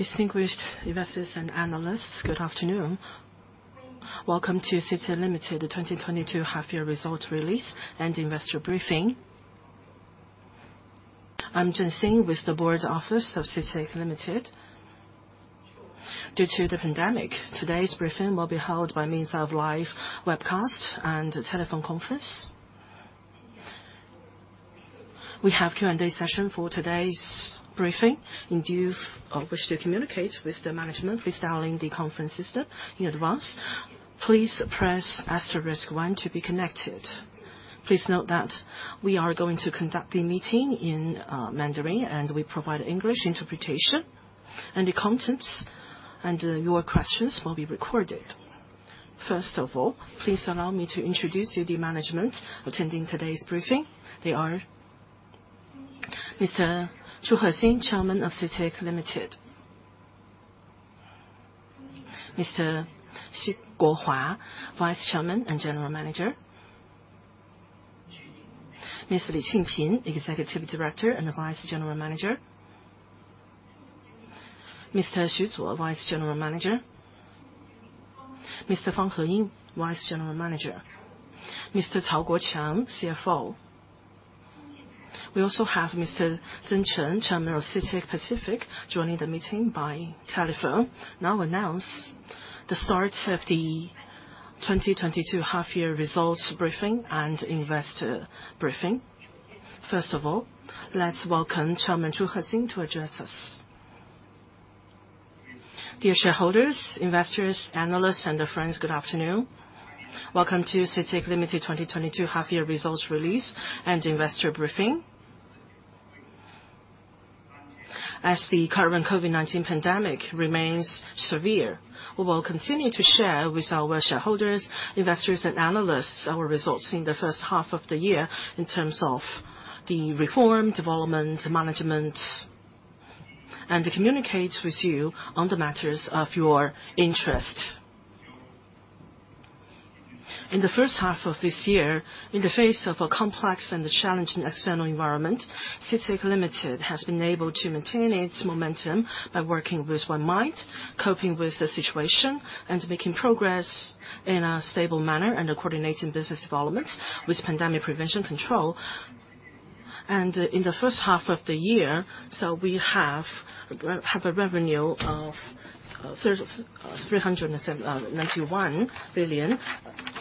Distinguished investors and analysts, good afternoon. Welcome to CITIC Limited 2022 half-year results release and investor briefing. I'm Jin Xing with the board office of CITIC Limited. Due to the pandemic, today's briefing will be held by means of live webcast and telephone conference. We have Q&A session for today's briefing. If you wish to communicate with the management, please dial into the conference system in advance. Please press asterisk one to be connected. Please note that we are going to conduct the meeting in Mandarin, and we provide English interpretation. The contents and your questions will be recorded. First of all, please allow me to introduce you to the management attending today's briefing. They are Mr. Zhu Hexin, Chairman of CITIC Limited. Mr. Xi Guohua, Vice Chairman and General Manager. Ms. Li Qingping, Executive Director and Vice General Manager. Mr. Xi Zuo, Vice General Manager. Mr. Fang Heying, Vice General Manager. Mr. Cao Guoqiang, CFO. We also have Mr. Zeng Chen, Chairman of CITIC Pacific, joining the meeting by telephone. Now announce the start of the 2022 half year results briefing and investor briefing. First of all, let's welcome Chairman Zhu Hexin to address us. Dear shareholders, investors, analysts and our friends, good afternoon. Welcome to CITIC Limited 2022 half year results release and investor briefing. As the current COVID-19 pandemic remains severe, we will continue to share with our shareholders, investors, and analysts our results in the first half of the year in terms of the reform, development, management, and to communicate with you on the matters of your interest. In the first half of this year, in the face of a complex and challenging external environment, CITIC Limited has been able to maintain its momentum by working with one mind, coping with the situation, and making progress in a stable manner, and coordinating business developments with pandemic prevention control. In the first half of the year, we have a revenue of 392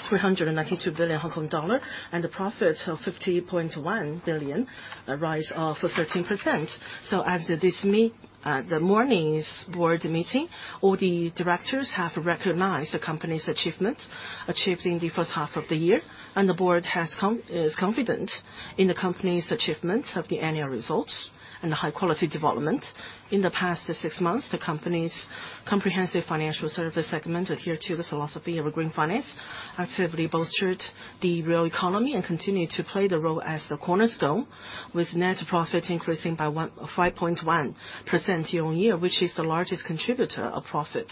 billion Hong Kong dollar and a profit of HKD 50.1 billion, a rise of 13%. At this morning's board meeting, all the directors have recognized the company's achievement achieved in the first half of the year, and the board is confident in the company's achievements of the annual results and high quality development. In the past six months, the company's comprehensive financial service segment adhere to the philosophy of green finance, actively bolstered the real economy and continued to play the role as the cornerstone, with net profit increasing by 15.1% year-on-year, which is the largest contributor of profit.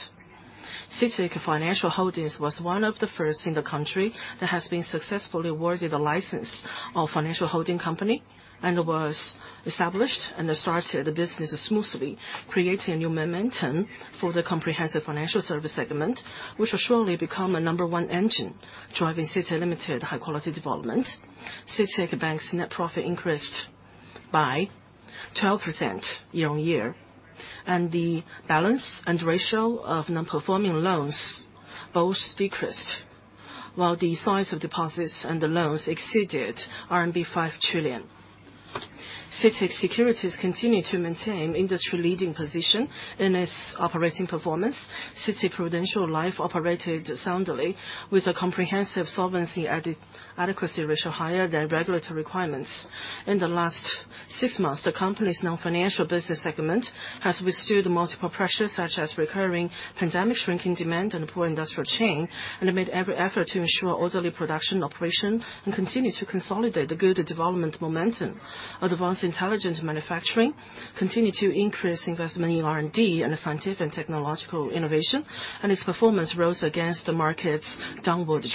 CITIC Financial Holdings was one of the first in the country that has been successfully awarded a license of financial holding company and was established and started the business smoothly, creating a new momentum for the comprehensive financial service segment, which will surely become a number one engine driving CITIC Limited high quality development. CITIC Bank's net profit increased by 12% year-on-year. The balance and ratio of non-performing loans both decreased, while the size of deposits and the loans exceeded RMB 5 trillion. CITIC Securities continued to maintain industry-leading position in its operating performance. CITIC-Prudential Life operated soundly with a comprehensive solvency adequacy ratio higher than regulatory requirements. In the last six months, the company's non-financial business segment has withstood multiple pressures such as recurring pandemic, shrinking demand and poor industrial chain, and it made every effort to ensure orderly production operation and continue to consolidate the good development momentum. Advanced intelligent manufacturing continued to increase investment in R&D and scientific and technological innovation, and its performance rose against the market's downward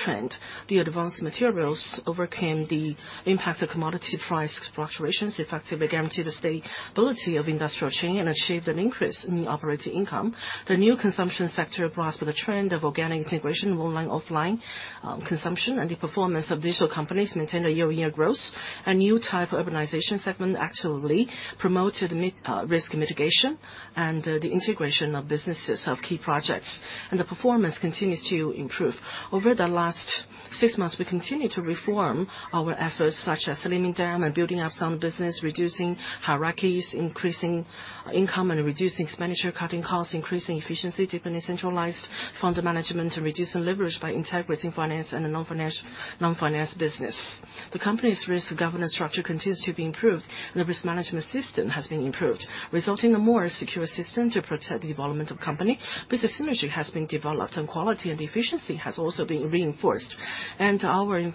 trend. The advanced materials overcame the impact of commodity price fluctuations, effectively guaranteed the stability of industrial chain and achieved an increase in operating income. The new consumption sector grasped the trend of organic integration, online, offline, consumption, and the performance of digital companies maintained a year-on-year growth. A new type of urbanization segment actively promoted risk mitigation and the integration of businesses of key projects. The performance continues to improve. Over the last six months, we continued to reform our efforts such as slimming down and building up sound business, reducing hierarchies, increasing income and reducing expenditure, cutting costs, increasing efficiency, deepening centralized fund management and reducing leverage by integrating finance and the non-finance business. The company's risk governance structure continues to be improved, and the risk management system has been improved, resulting in a more secure system to protect the development of company. Business synergy has been developed, and quality and efficiency has also been reinforced. Our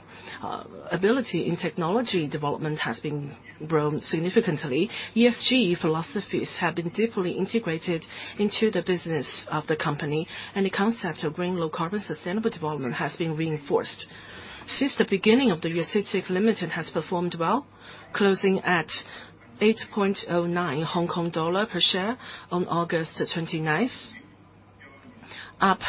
ability in technology development has been grown significantly. ESG philosophies have been deeply integrated into the business of the company, and the concept of green low-carbon sustainable development has been reinforced. Since the beginning of the year, CITIC Limited has performed well, closing at 8.09 Hong Kong dollar per share on August 29th, up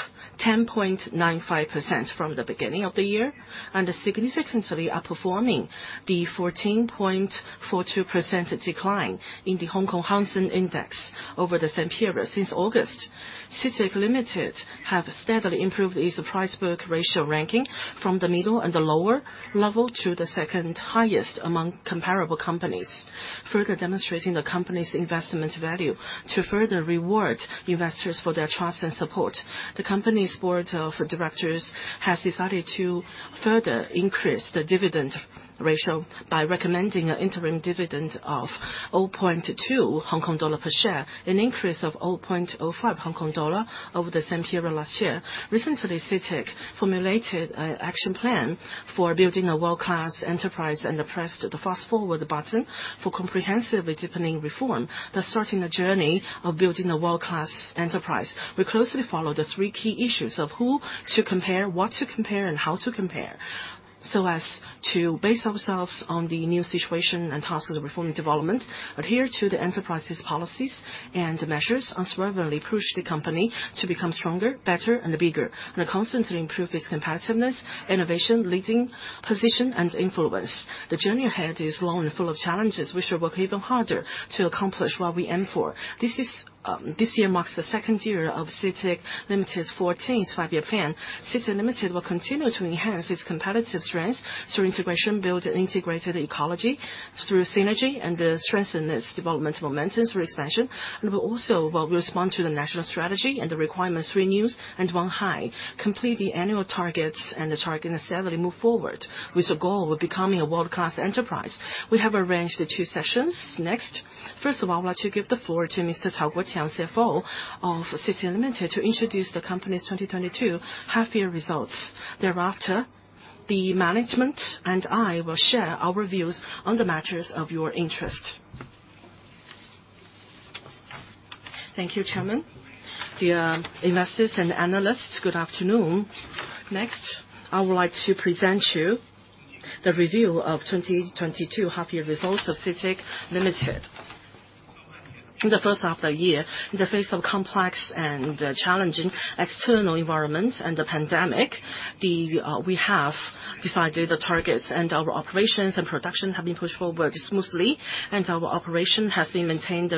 10.95% from the beginning of the year, and significantly outperforming the 14.42% decline in the Hang Seng Index over the same period. Since August, CITIC Limited have steadily improved its price-book ratio ranking from the middle and the lower level to the second highest among comparable companies, further demonstrating the company's investment value to further reward investors for their trust and support. The company's board of directors has decided to further increase the dividend ratio by recommending an interim dividend of 0.2 Hong Kong dollar per share, an increase of 0.05 Hong Kong dollar over the same period last year. Recently, CITIC formulated an action plan for building a world-class enterprise and pressed the fast-forward button for comprehensively deepening reform, thus starting a journey of building a world-class enterprise. We closely follow the three key issues of who to compare, what to compare, and how to compare, so as to base ourselves on the new situation and tasks of reform and development, adhere to the enterprise's policies and measures, unswervingly push the company to become stronger, better, and bigger, and constantly improve its competitiveness, innovation, leading position, and influence. The journey ahead is long and full of challenges. We shall work even harder to accomplish what we aim for. This year marks the second year of CITIC Limited's 14th Five-Year Plan. CITIC Limited will continue to enhance its competitive strengths through integration, build an integrated ecology through synergy, and strengthen its development momentum through expansion, and will also respond to the national strategy and the requirements three new and one high, complete the annual targets and steadily move forward with the goal of becoming a world-class enterprise. We have arranged the two sessions. Next, first of all, I want to give the floor to Mr. Cao Guoqiang, CFO of CITIC Limited, to introduce the company's 2022 half-year results. Thereafter, the management and I will share our views on the matters of your interest. Thank you, Chairman. Dear investors and analysts, good afternoon. Next, I would like to present you the review of 2022 half-year results of CITIC Limited. In the first half of the year, in the face of complex and challenging external environments and the pandemic, we have decided the targets and our operations and production have been pushed forward smoothly, and our operation has been maintained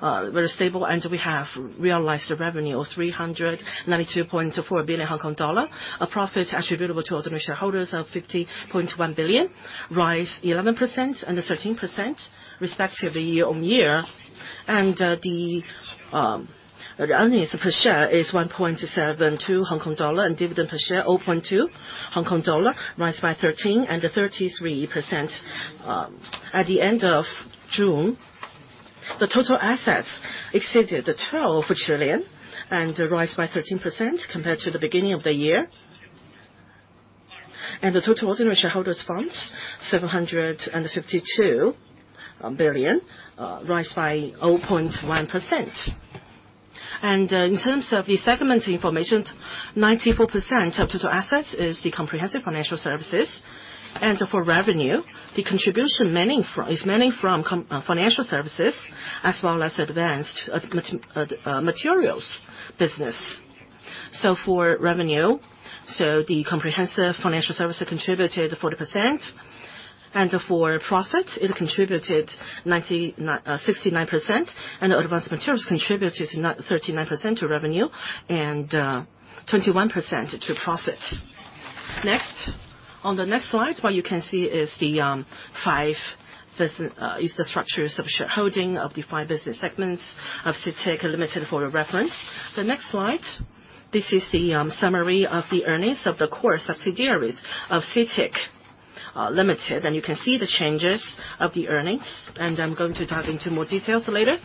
very stable, and we have realized a revenue of 392.4 billion Hong Kong dollar, a profit attributable to ordinary shareholders of 50.1 billion, rise 11% and 13% respectively year-on-year. The earnings per share is 1.72 Hong Kong dollar and dividend per share 0.2 Hong Kong dollar, rise by 13% and 33%. At the end of June, the total assets exceeded 12 trillion and rise by 13% compared to the beginning of the year. The total ordinary shareholders funds, 752 billion, rise by 0.1%. In terms of the segment information, 94% of total assets is the comprehensive financial services. For revenue, the contribution is mainly from financial services as well as advanced materials business. For revenue, the comprehensive financial services contributed 40%. For profit, it contributed 69%. Advanced materials contributed 39% to revenue and 21% to profits. Next, on the next slide, what you can see is the structures of shareholding of the five business segments of CITIC Limited for your reference. The next slide, this is the summary of the earnings of the core subsidiaries of CITIC Limited. You can see the changes of the earnings, and I'm going to dive into more details later.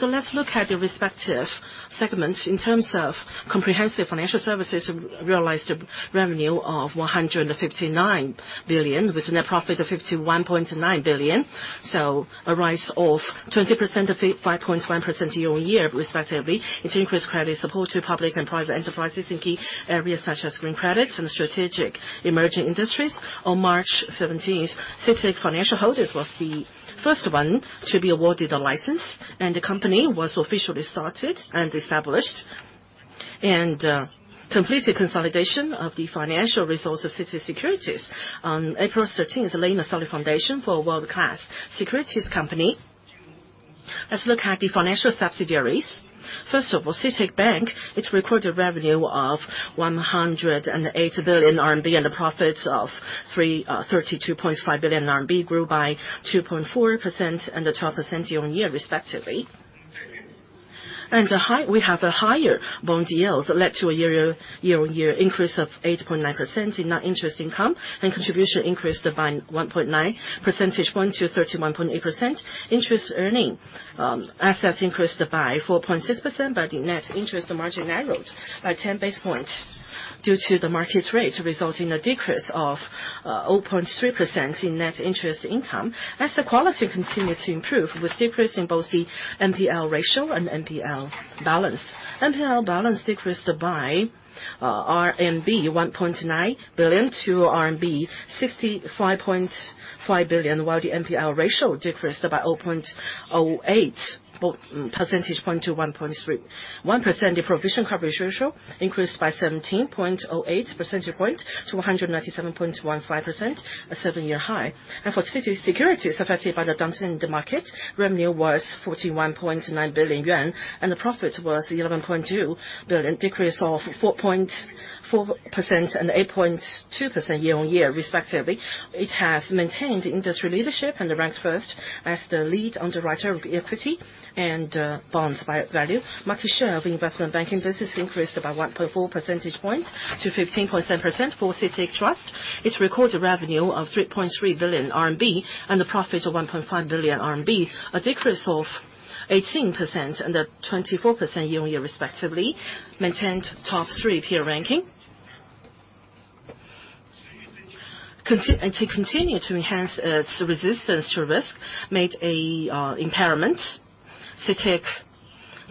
Let's look at the respective segments. In terms of comprehensive financial services, we realized a revenue of 159 billion, with a net profit of 51.9 billion. A rise of 20%, 55.1% year-on-year, respectively. It increased credit support to public and private enterprises in key areas such as green credits and strategic emerging industries. On March seventeenth, CITIC Financial Holdings was the first one to be awarded a license, and the company was officially started and established and completed consolidation of the financial resource of CITIC Securities. On April thirteenth, it laid a solid foundation for a world-class securities company. Let's look at the financial subsidiaries. First of all, CITIC Bank, it recorded revenue of 108 billion RMB and a profit of 32.5 billion RMB, grew by 2.4% and 12% year on year, respectively. We have higher bond yields that led to a year on year increase of 8.9% in net interest income, and contribution increased by 1.9 percentage points to 31.8%. Interest earning assets increased by 4.6%, but the net interest margin narrowed by 10 basis points. Due to the market rate, resulting a decrease of 0.3% in net interest income. Asset quality continued to improve with decrease in both the NPL ratio and NPL balance. NPL balance decreased by RMB 1.9 billion to RMB 65.5 billion, while the NPL ratio decreased by 0.08 percentage point to 1.31%. Provision Coverage Ratio increased by 17.08 percentage points to 197.15%, a seven-year high. For CITIC Securities affected by the downturn in the market, revenue was 41.9 billion yuan, and the profit was 11.2 billion, decrease of 4.4% and 8.2% year-on-year respectively. It has maintained industry leadership and it ranked first as the lead underwriter of equity and bonds by value. Market share of investment banking business increased by 1.4 percentage points to 15.7% for CITIC Trust. It recorded revenue of 3.3 billion RMB and a profit of 1.5 billion RMB, a decrease of 18% and 24% year-on-year respectively. Maintained top-three peer ranking. CITIC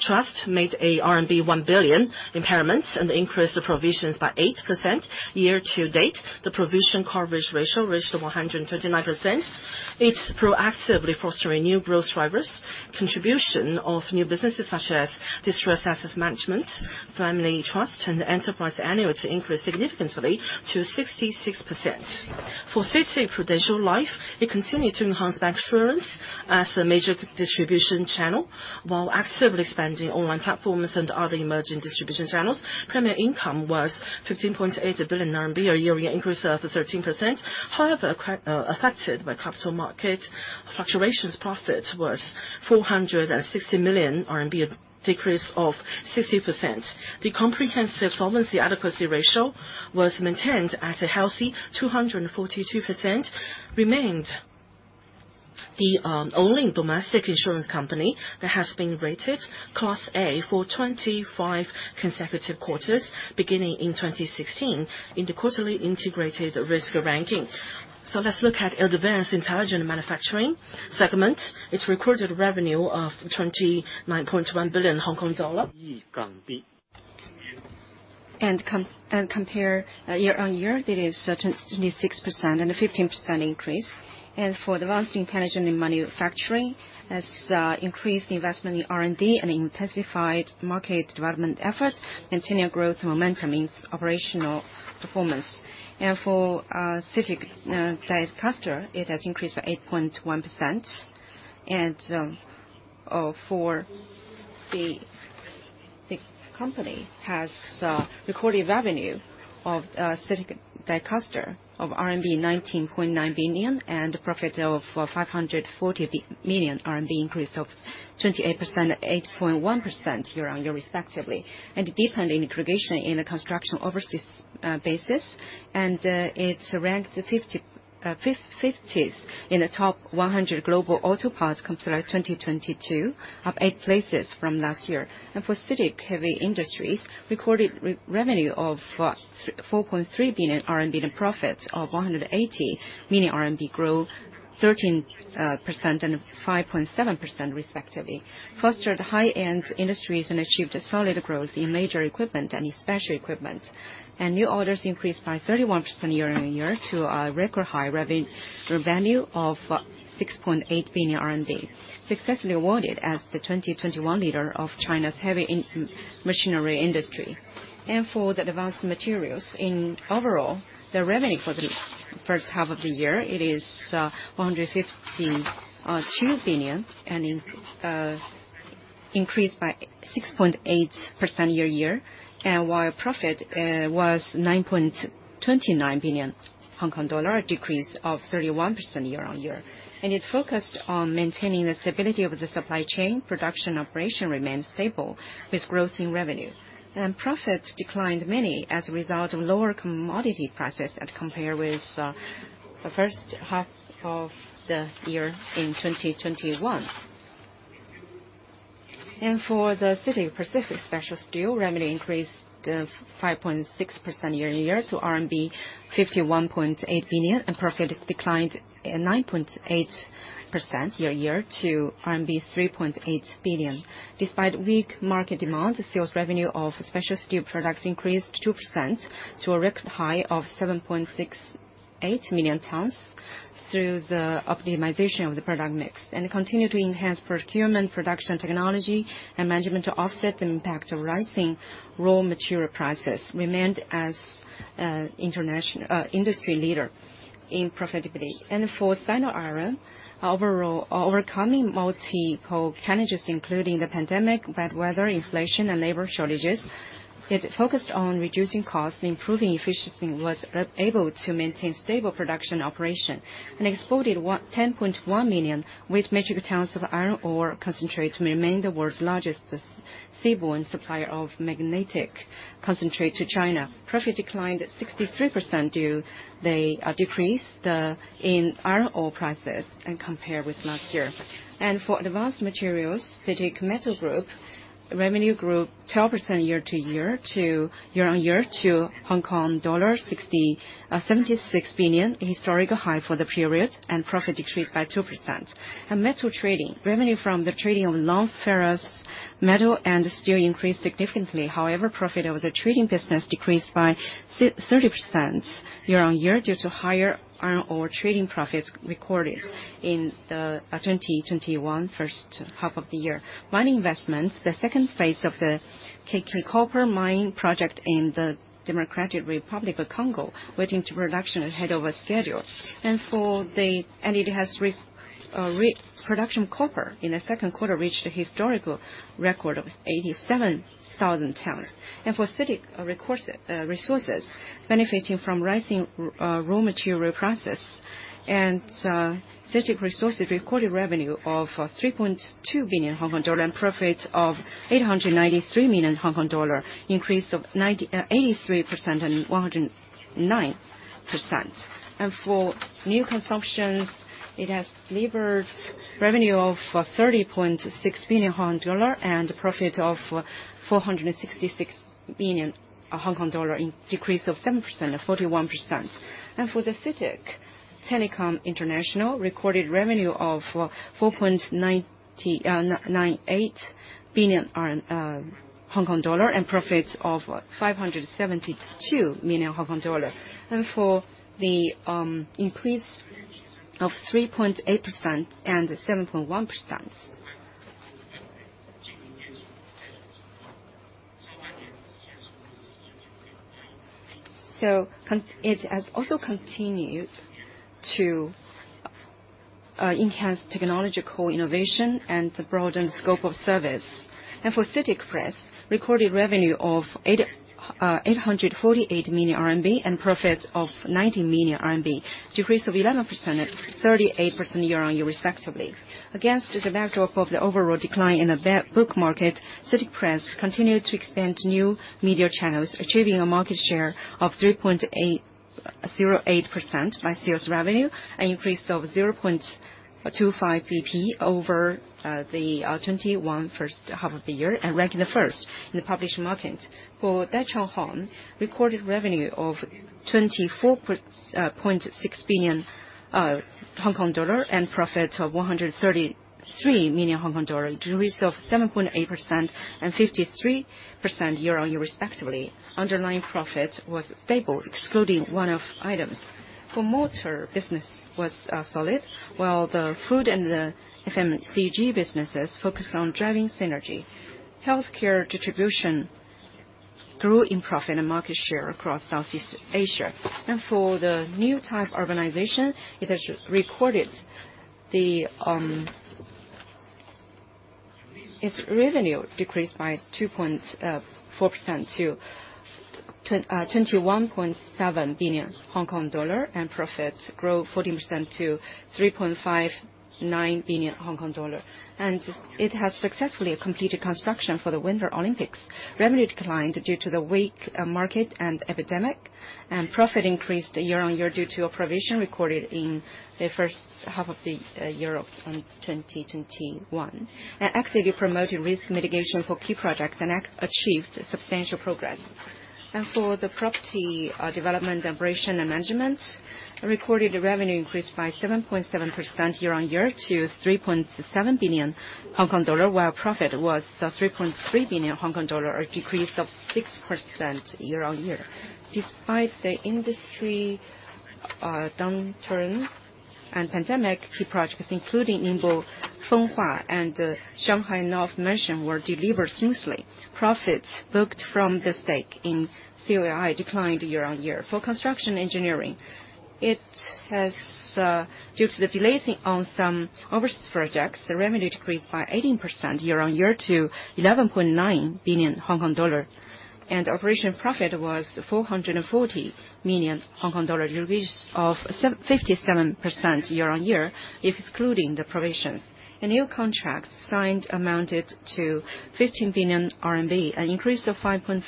Trust made a RMB 1 billion impairment and increased the provisions by 8%. Year to date, the provision coverage ratio reached 139%. It's proactively fostering new growth drivers. Contribution of new businesses such as distressed asset management, family trust, and enterprise annuity increased significantly to 66%. For CITIC-Prudential Life, it continued to enhance bancassurance as a major distribution channel while actively expanding online platforms and other emerging distribution channels. Premium income was 15.8 billion RMB, a year-on-year increase of 13%. However, affected by capital market fluctuations, profits was 460 million RMB, a decrease of 60%. The comprehensive solvency adequacy ratio was maintained at a healthy 242%, remained the only domestic insurance company that has been rated Class A for 25 consecutive quarters, beginning in 2016 in the quarterly integrated risk ranking. Let's look at advanced intelligent manufacturing segment. It recorded revenue of 29.1 billion Hong Kong dollar. Compare year-on-year, it is 766% and a 15% increase. Advanced intelligent manufacturing has increased investment in R&D and intensified market development efforts, maintaining growth momentum in its operational performance. CITIC Dicastal has increased by 8.1%. The company has recorded revenue of CITIC Dicastal of RMB 19.9 billion and a profit of 540 million RMB, increase of 28% and 8.1% year-on-year respectively, and a deepening integration in the construction overseas basis. It's ranked 50th in the top 100 global auto parts suppliers 2022, up eight places from last year. For CITIC Heavy Industries, recorded revenue of 34.3 billion RMB and profits of 180 million RMB, growth 13% and 5.7% respectively. Fostered high-end industries and achieved a solid growth in major equipment and in special equipment. New orders increased by 31% year-on-year to a record high revenue of 6.8 billion RMB. Successfully awarded as the 2021 leader of China's heavy industry machinery. For the advanced materials overall, the revenue for the first half of the year is 152 billion, increased by 6.8% year-on-year. While profit was 9.29 billion Hong Kong dollar, a decrease of 31% year-on-year. It focused on maintaining the stability of the supply chain. Production operation remained stable with growth in revenue. Profit declined mainly as a result of lower commodity prices as compared with the first half of the year in 2021. For the CITIC Pacific Special Steel, revenue increased 5.6% year-on-year to RMB 51.8 billion, and profit declined by 9.8% year-on-year to RMB 3.8 billion. Despite weak market demand, sales revenue of special steel products increased 2% to a record high of 7.68 million tons through the optimization of the product mix. Continued to enhance procurement, production, technology and management to offset the impact of rising raw material prices, remained an industry leader in profitability. For Sino Iron, overall, overcoming multiple challenges including the pandemic, bad weather, inflation, and labor shortages, it focused on reducing costs and improving efficiency, and was able to maintain stable production operation, and exported 10.1 million wet metric tons of iron ore concentrate to remain the world's largest seaborne supplier of magnetic concentrate to China. Profit declined 63% due to the decrease in iron ore prices compared with last year. For advanced materials, CITIC Metal Group revenue grew 12% year-on-year to Hong Kong dollar 67.6 billion, a historical high for the period, and profit decreased by 2%. In metal trading, revenue from the trading of non-ferrous metal and steel increased significantly. However, profit over the trading business decreased by 30% year-on-year due to higher iron ore trading profits recorded in the 2021 first half of the year. Mining investments, the second phase of the Kamoa-Kakula copper mine project in the Democratic Republic of Congo went into production ahead of schedule. It has produced copper in the second quarter reached a historical record of 87,000 tons. For CITIC Resources, benefiting from rising raw material prices, CITIC Resources recorded revenue of 3.2 billion Hong Kong dollar and profit of 893 million Hong Kong dollar, increase of 83% and 109%. For new consumption, it has delivered revenue of 30.6 billion dollar and profit of 466 million Hong Kong dollar, decrease of 7% and 41%. For CITIC Telecom International, recorded revenue of 4.98 billion Hong Kong dollar and profit of 572 million Hong Kong dollar, increase of 3.8% and 7.1%. It has also continued to enhance technological innovation and to broaden scope of service. For CITIC Press, recorded revenue of 848 million RMB and profit of 90 million RMB, decrease of 11% and 38% year-on-year respectively. Against the backdrop of the overall decline in the book market, CITIC Press continued to expand new media channels, achieving a market share of 3.808% by sales revenue, an increase of 0.25 BP over the first half of 2021, and ranking first in the publishing market. For Dah Chong Hong, recorded revenue of 24.6 billion Hong Kong dollar and profit of 133 million Hong Kong dollar, decrease of 7.8% and 53% year-on-year respectively. Underlying profit was stable, excluding one-off items. For motor business was solid, while the food and the FMCG businesses focused on driving synergy. Healthcare distribution grew in profit and market share across Southeast Asia. For the new type urbanization, its revenue decreased by 2.4% to 21.7 billion Hong Kong dollar, and profits grow 14% to 3.59 billion Hong Kong dollar. It has successfully completed construction for the Winter Olympics. Revenue declined due to the weak market and epidemic, and profit increased year-on-year due to a provision recorded in the first half of the year of 2021. Actively promoted risk mitigation for key projects and achieved substantial progress. For the property development operation and management, recorded revenue increased by 7.7% year-on-year to 3.7 billion Hong Kong dollar, while profit was 3.3 billion Hong Kong dollar, a decrease of 6% year-on-year. Despite the industry downturn and pandemic, key projects including Ningbo Fenghua and Shanghai North Bund were delivered seamlessly. Profits booked from the stake in COLI declined year-on-year. For construction engineering, due to the delays on some overseas projects, the revenue decreased by 18% year-on-year to 11.9 billion Hong Kong dollar. Operating profit was 440 million Hong Kong dollar, a decrease of 77% year-on-year if excluding the provisions. A new contract signed amounted to 15 billion RMB, an increase of 5.5%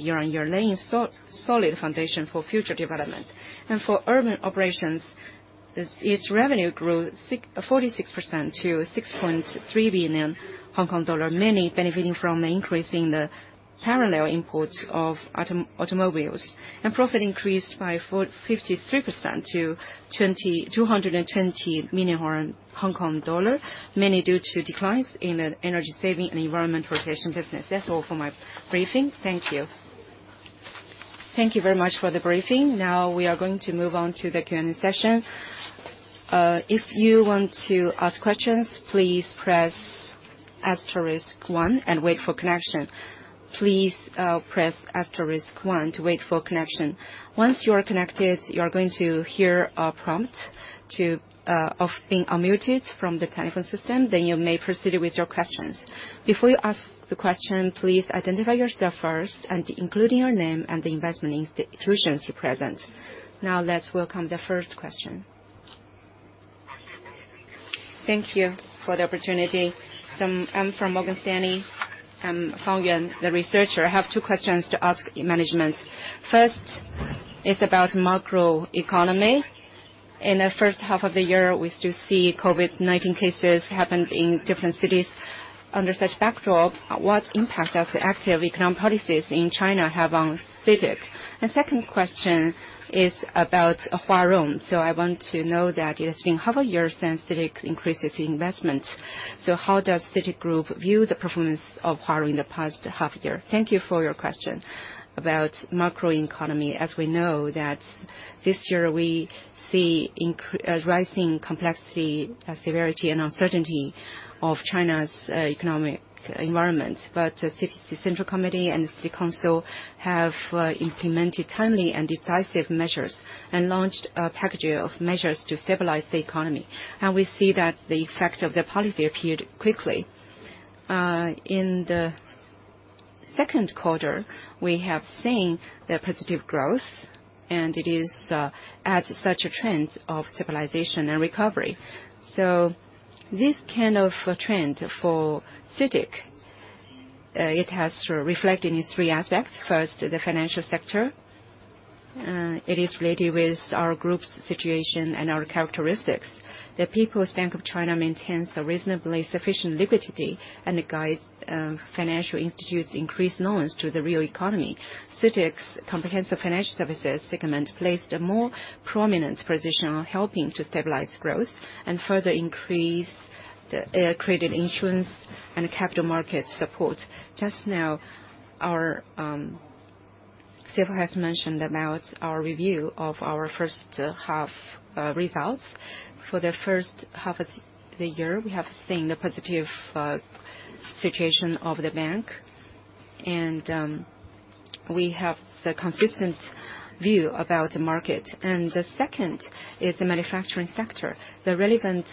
year-on-year, laying solid foundation for future developments. For urban operations, its revenue grew 46% to 6.3 billion Hong Kong dollar, mainly benefiting from the increase in the parallel imports of automobiles. Profit increased by fifty-three percent to 220 million Hong Kong dollar, mainly due to declines in the energy saving and environmental protection business. That's all for my briefing. Thank you. Thank you very much for the briefing. Now, we are going to move on to the Q&A session. If you want to ask questions, please press asterisk one and wait for connection. Please press asterisk one to wait for connection. Once you are connected, you are going to hear a prompt to be unmuted from the telephone system, then you may proceed with your questions. Before you ask the question, please identify yourself first and including your name and the investment institution you present. Now, let's welcome the first question. Thank you for the opportunity. I'm from Morgan Stanley. I'm Fang Yuan, the researcher. I have two questions to ask management. First is about macro economy. In the first half of the year, we still see COVID-19 cases happened in different cities. Under such backdrop, what impact does the active economic policies in China have on CITIC? Second question is about Huarong. I want to know that, you're saying, how are your sense CITIC increases investment? How does CITIC Group view the performance of Huarong in the past half year? Thank you for your question. About macroeconomy, as we know that this year we see rising complexity, severity and uncertainty of China's economic environment. CPC Central Committee and State Council have implemented timely and decisive measures, and launched a package of measures to stabilize the economy. We see that the effect of the policy appeared quickly. In the second quarter, we have seen the positive growth, and it is at such a trend of stabilization and recovery. This kind of a trend for CITIC it has reflected in three aspects. First, the financial sector. It is related with our group's situation and our characteristics. The People's Bank of China maintains a reasonably sufficient liquidity, and it guides financial institutions increase loans to the real economy. CITIC's comprehensive financial services segment plays the more prominent position on helping to stabilize growth and further increase the credit insurance and capital market support. Just now, our CFO has mentioned about our review of our first half results. For the first half of the year, we have seen a positive situation of the bank, and we have the consistent view about the market. The second is the manufacturing sector. The relevant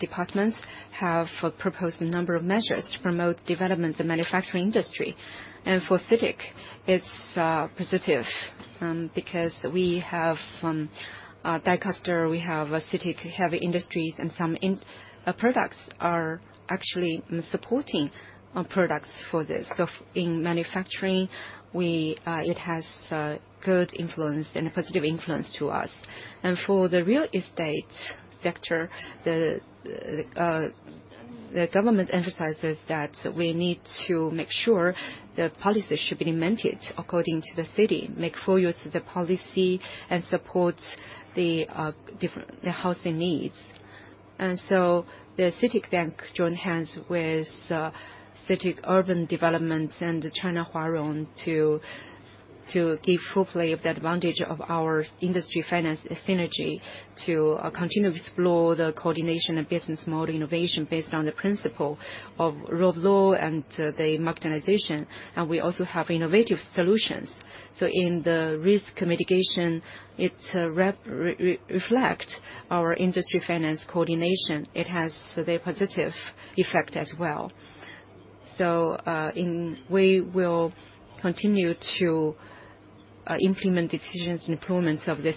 departments have proposed a number of measures to promote development of manufacturing industry. For CITIC, it's positive, because we have CITIC Dicastal, we have CITIC Heavy Industries and products are actually supporting products for this. In manufacturing, it has good influence and a positive influence to us. For the real estate sector, the government emphasizes that we need to make sure the policy should be implemented according to the city, make full use of the policy and support the different housing needs. CITIC Bank joins hands with CITIC Urban Development & Operation and China Huarong Asset Management Co., Ltd. to give full play to the advantage of our industry finance synergy to continue to explore the coordination of business model innovation based on the principle of rule of law and the marketization. We also have innovative solutions. In the risk mitigation, it reflect our industry finance coordination. It has the positive effect as well. We will continue to implement decisions and improvements of the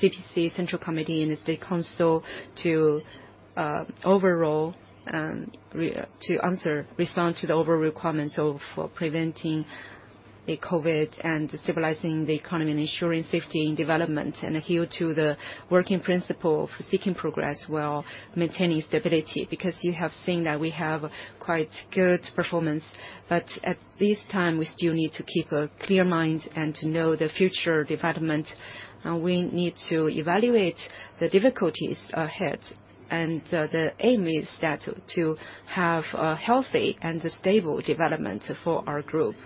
CPC Central Committee and the State Council to respond to the overall requirements of preventing COVID and stabilizing the economy and ensuring safety and development, and adhere to the working principle of seeking progress while maintaining stability. Because you have seen that we have quite good performance. At this time, we still need to keep a clear mind and to know the future development. We need to evaluate the difficulties ahead. The aim is that to have a healthy and a stable development for our group.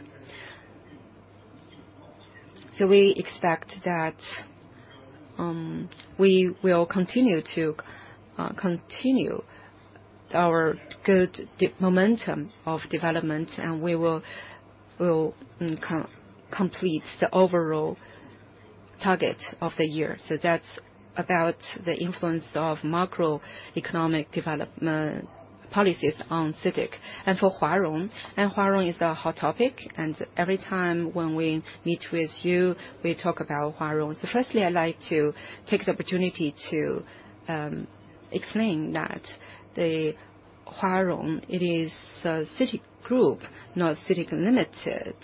We expect that we will continue to continue our good momentum of development, and we will complete the overall target of the year. That's about the influence of macroeconomic development policies on CITIC. For Huarong is a hot topic, and every time when we meet with you, we talk about Huarong. Firstly, I'd like to take the opportunity to explain that the Huarong, it is CITIC Group, not CITIC Limited,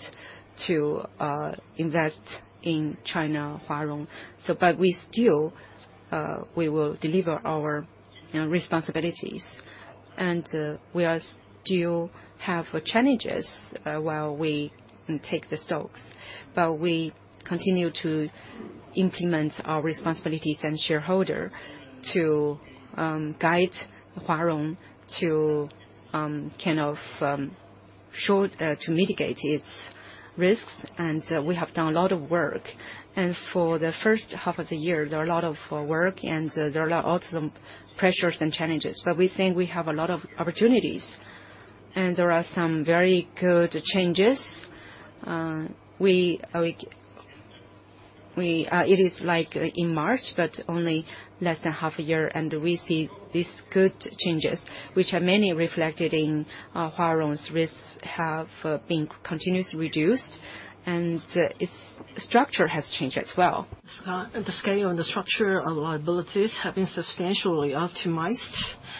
to invest in China Huarong. We still will deliver our, you know, responsibilities. We are. still have challenges while we take the stakes. We continue to implement our responsibilities as shareholder to guide Huarong to kind of mitigate its risks. We have done a lot of work. For the first half of the year, there are a lot of work and also pressures and challenges. We think we have a lot of opportunities. There are some very good changes. It is like in March, but only less than half a year, and we see these good changes, which are mainly reflected in Huarong's risks have been continuously reduced, and its structure has changed as well. The scale and the structure of liabilities have been substantially optimized,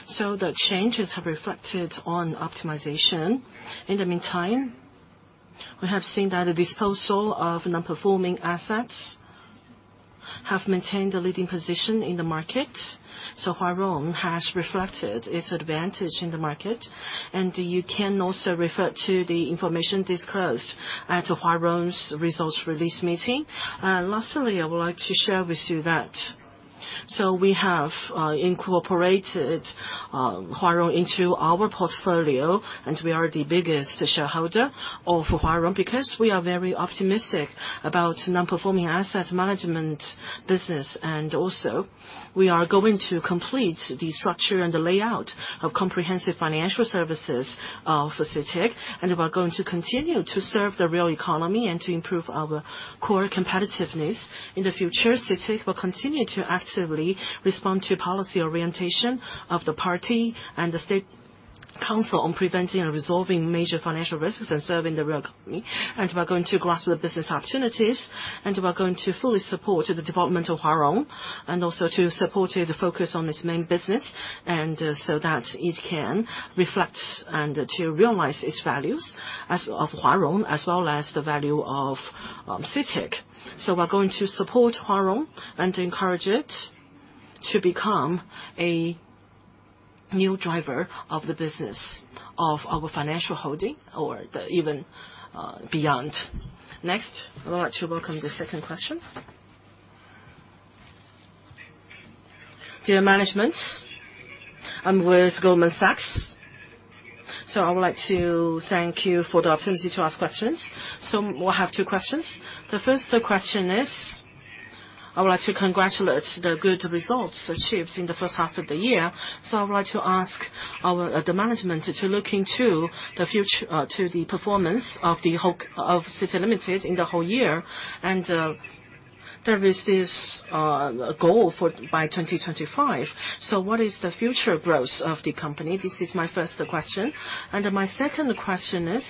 so the changes have reflected on optimization. In the meantime We have seen that the disposal of non-performing assets have maintained a leading position in the market, so Huarong has reflected its advantage in the market. You can also refer to the information disclosed at Huarong's results release meeting. Lastly, I would like to share with you that we have incorporated Huarong into our portfolio, and we are the biggest shareholder of Huarong because we are very optimistic about non-performing asset management business. Also, we are going to complete the structure and the layout of comprehensive financial services of CITIC, and we are going to continue to serve the real economy and to improve our core competitiveness. In the future, CITIC will continue to actively respond to policy orientation of the Party and the State Council on preventing and resolving major financial risks and serving the real economy. We are going to grasp the business opportunities, and we are going to fully support the development of Huarong, and also to support it focus on its main business, and so that it can reflect and to realize its values as of Huarong, as well as the value of, CITIC. We are going to support Huarong and encourage it to become a new driver of the business of our financial holding or the even, beyond. Next, I would like to welcome the second question. Dear management, I'm with Goldman Sachs. I would like to thank you for the opportunity to ask questions. We'll have two questions. The first question is, I would like to congratulate the good results achieved in the first half of the year. I would like to ask our... The management to look into the performance of the whole of CITIC Limited in the whole year. There is this goal for by 2025. What is the future growth of the company? This is my first question. My second question is,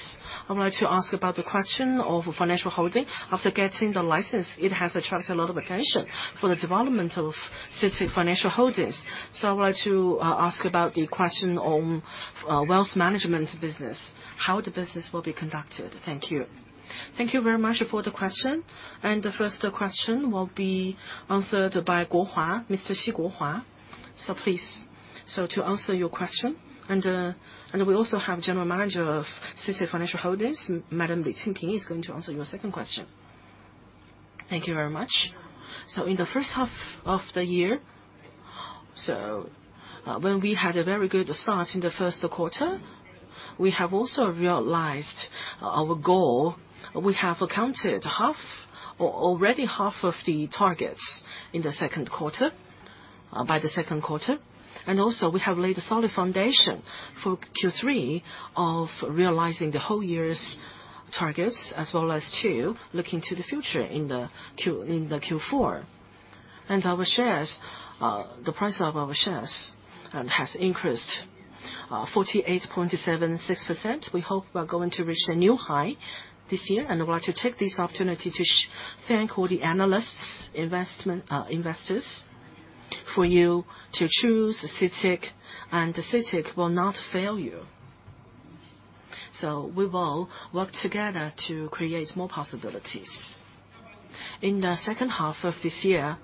I would like to ask about the question of financial holding. After getting the license, it has attracted a lot of attention for the development of CITIC Financial Holdings. I would like to ask about the question on wealth management business, how the business will be conducted. Thank you. Thank you very much for the question. The first question will be answered by Xi Guohua, Mr. Xi Guohua. Please. To answer your question, and we also have General Manager of CITIC Financial Holdings, Madam Li Xinping, is going to answer your second question. Thank you very much. In the first half of the year, when we had a very good start in the first quarter, we have also realized our goal. We have accounted half or already half of the targets in the second quarter by the second quarter. We have laid a solid foundation for Q3 of realizing the whole year's targets, as well as to look into the future in the Q4. Our shares, the price of our shares, has increased 48.76%. We hope we are going to reach a new high this year, and we want to take this opportunity to thank all the analysts, investors, for you to choose CITIC, and CITIC will not fail you. We will work together to create more possibilities. In the second half of this year,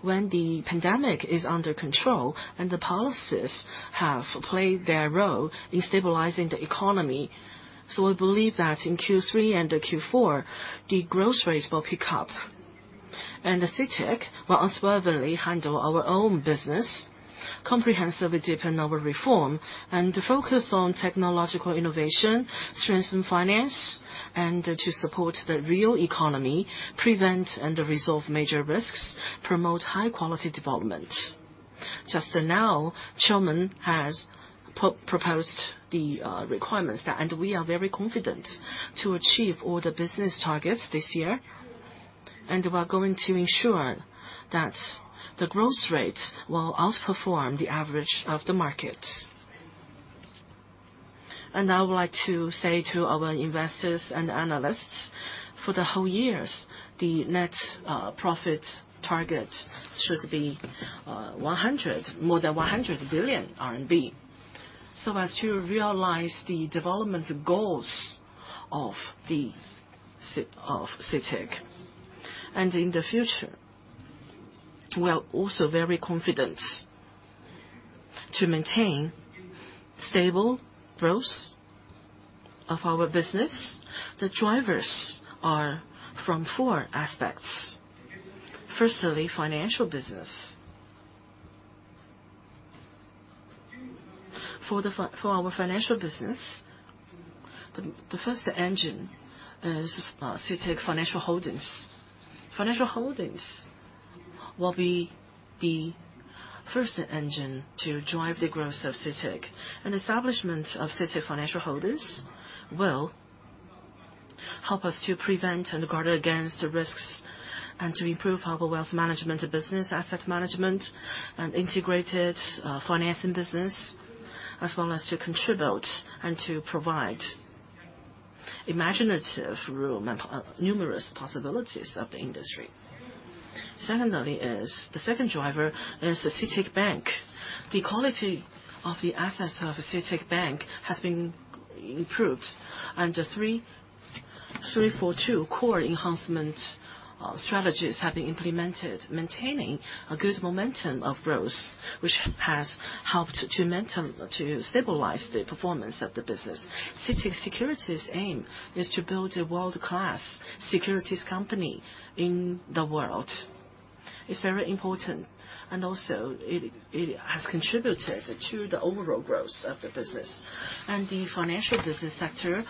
when the pandemic is under control and the policies have played their role in stabilizing the economy, we believe that in Q3 and Q4, the growth rates will pick up. And the CITIC will unswervingly handle our own business, comprehensively deepen our reform, and focus on technological innovation, strengthen finance, and to support the real economy, prevent and resolve major risks, promote high-quality development. Just now, the Chairman has proposed the requirements, and we are very confident to achieve all the business targets this year. We are going to ensure that the growth rates will outperform the average of the market. I would like to say to our investors and analysts, for the whole years, the net profit target should be more than 100 billion RMB. As to realize the development goals of CITIC. In the future, we are also very confident to maintain stable growth of our business. The drivers are from four aspects. Firstly, financial business. For our financial business, the first engine is CITIC Financial Holdings. Financial Holdings will be the first engine to drive the growth of CITIC. An establishment of CITIC Financial Holdings will help us to prevent and guard against risks and to improve our wealth management business, asset management, and integrated financing business, as well as to contribute and to provide room for imagination and numerous possibilities of the industry. The second driver is CITIC Bank. The quality of the assets of CITIC Bank has been improved, and three-pronged core enhancement strategies have been implemented, maintaining a good momentum of growth, which has helped to stabilize the performance of the business. CITIC Securities' aim is to build a world-class securities company in the world. It's very important, and also it has contributed to the overall growth of the business. The financial business sector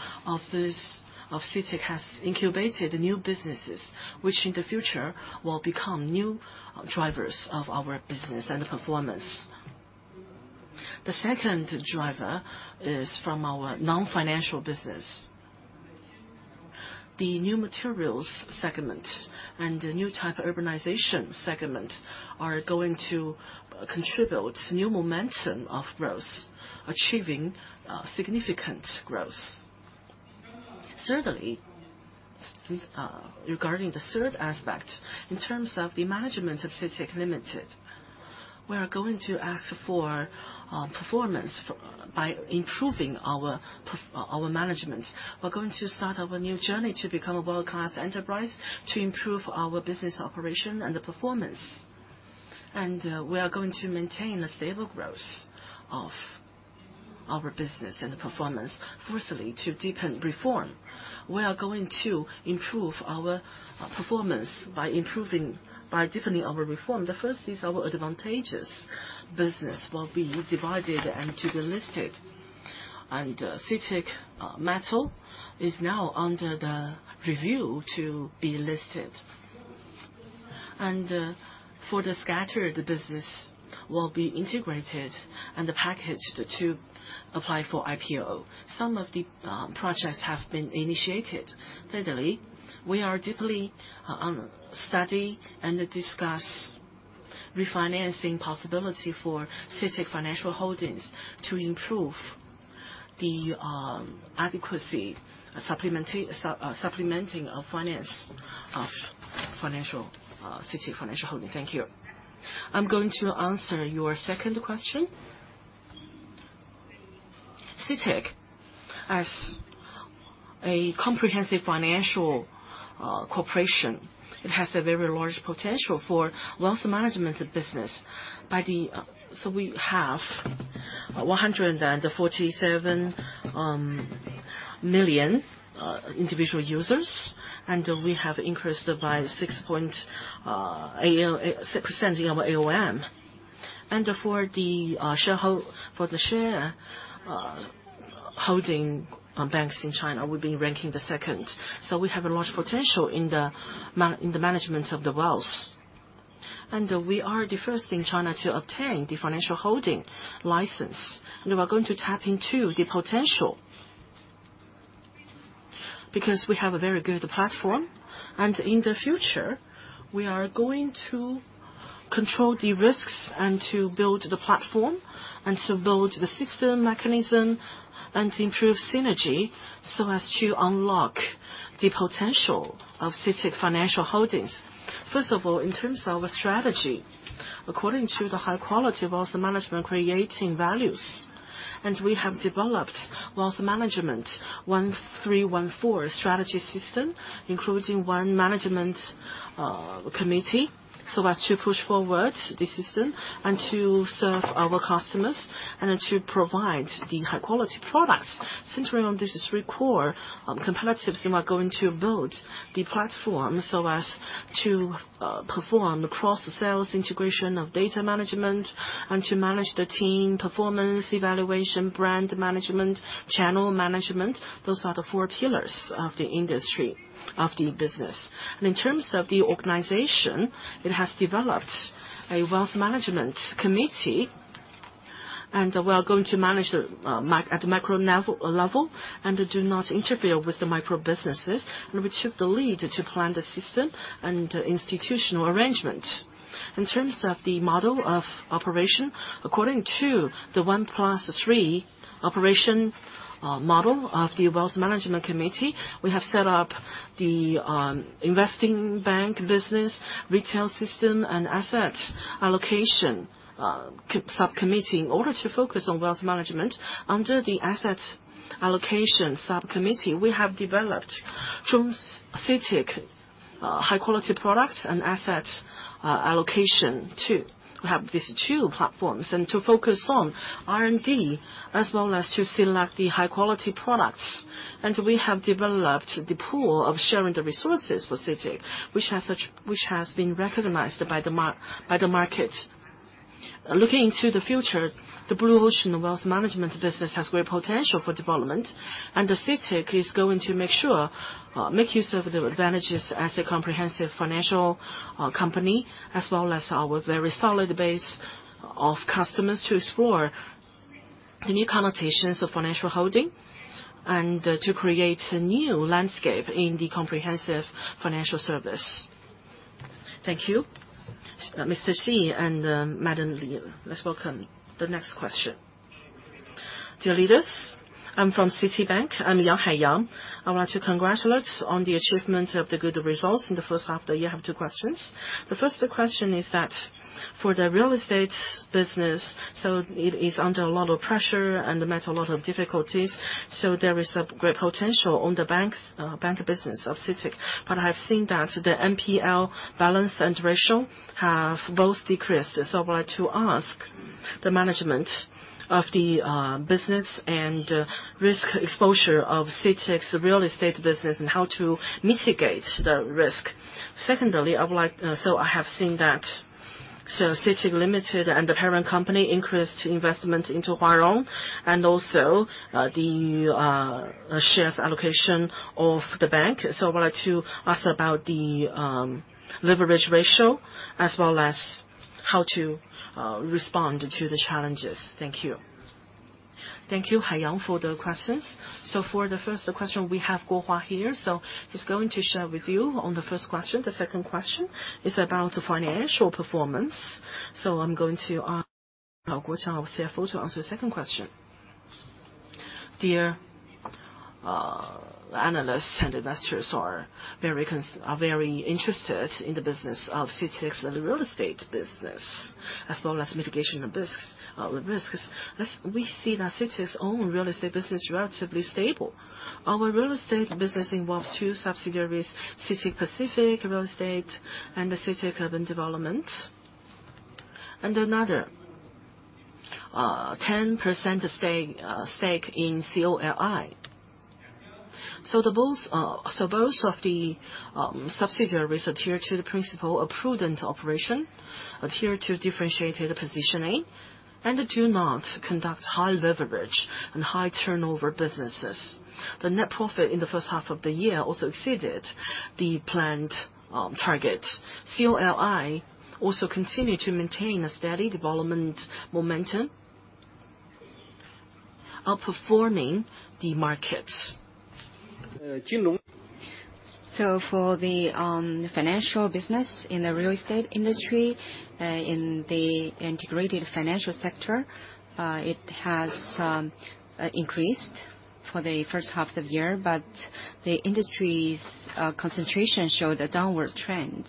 of CITIC has incubated new businesses, which in the future will become new drivers of our business and performance. The second driver is from our non-financial business. The new materials segment and the new type of urbanization segment are going to contribute new momentum of growth, achieving significant growth. Thirdly, regarding the third aspect, in terms of the management of CITIC Limited, we are going to ask for performance by improving our performance management. We're going to start our new journey to become a world-class enterprise to improve our business operation and the performance. We are going to maintain a stable growth of our business and the performance. First, to deepen reform. We are going to improve our performance by deepening our reform. The first is our advantageous business will be divided and to be listed. CITIC Metal is now under the review to be listed. The scattered business will be integrated and packaged to apply for IPO. Some of the projects have been initiated. Thirdly, we are deeply study and discuss refinancing possibility for CITIC Financial Holdings to improve the adequacy supplementing of finance of financial CITIC Financial Holdings. Thank you. I'm going to answer your second question. CITIC, as a comprehensive financial corporation, it has a very large potential for wealth management business. We have 147 million individual users, and we have increased by 6% of our AUM. For the share holding banks in China, we've been ranking the second. We have a large potential in the management of the wealth. We are the first in China to obtain the financial holding license. We are going to tap into the potential because we have a very good platform. In the future, we are going to control the risks and to build the platform and to build the system mechanism and improve synergy so as to unlock the potential of CITIC Financial Holdings. First of all, in terms of strategy, according to the high quality of wealth management creating values, and we have developed Wealth Management 1314 strategy system, including one management committee, so as to push forward the system and to serve our customers and to provide the high-quality products. Centering on these three core competencies, we are going to build the platform so as to perform the cross-sales integration of data management and to manage the team performance, evaluation, brand management, channel management. Those are the four pillars of the industry, of the business. In terms of the organization, it has developed a wealth management committee, and we are going to manage at the micro level, and do not interfere with the micro businesses, and we took the lead to plan the system and institutional arrangement. In terms of the model of operation, according to the one plus three operation model of the Wealth Management Committee, we have set up the investment banking business, retail system and asset allocation subcommittee in order to focus on wealth management. Under the asset allocation subcommittee, we have developed from CITIC high-quality products and asset allocation two. We have these two platforms and to focus on R&D, as well as to select the high-quality products. We have developed the pool of sharing the resources for CITIC, which has been recognized by the market. Looking to the future, the blue ocean wealth management business has great potential for development. CITIC is going to make sure, make use of the advantages as a comprehensive financial company, as well as our very solid base of customers to explore the new connotations of financial holding and to create a new landscape in the comprehensive financial service. Thank you. Mr. Xi and Madam Liu. Let's welcome the next question. Dear leaders, I'm from Citibank. I'm Yang Haiyang. I want to congratulate on the achievement of the good results in the first half of the year. I have two questions. The first question is that for the real estate business, so it is under a lot of pressure and met a lot of difficulties. There is great potential in the banking business of CITIC, but I've seen that the NPL balance and ratio have both decreased. I want to ask the management of the business and risk exposure of CITIC's real estate business and how to mitigate the risk. Secondly, I have seen that CITIC Limited and the parent company increased investment into Huarong and also the shares allocation of the bank. I wanted to ask about the leverage ratio as well as how to respond to the challenges. Thank you. Thank you, Yang Haiyang, for the questions. For the first question, we have Xi Guohua here. He's going to share with you on the first question. The second question is about the financial performance. I'm going to ask, Fang Heying, our CFO, to answer the second question. Analysts and investors are very interested in the business of CITIC's and the real estate business, as well as mitigation of risks. As we see that CITIC's own real estate business is relatively stable. Our real estate business involves two subsidiaries, CITIC Pacific Properties and CITIC Urban Development & Operation, and another 10% stake in COLI. Both of the subsidiaries adhere to the principle of prudent operation, adhere to differentiated positioning, and do not conduct high leverage and high turnover businesses. The net profit in the first half of the year also exceeded the planned targets. COLI also continued to maintain a steady development momentum, outperforming the markets. For the financial business in the real estate industry, in the integrated financial sector, it has increased for the first half of the year, but the industry's concentration showed a downward trend.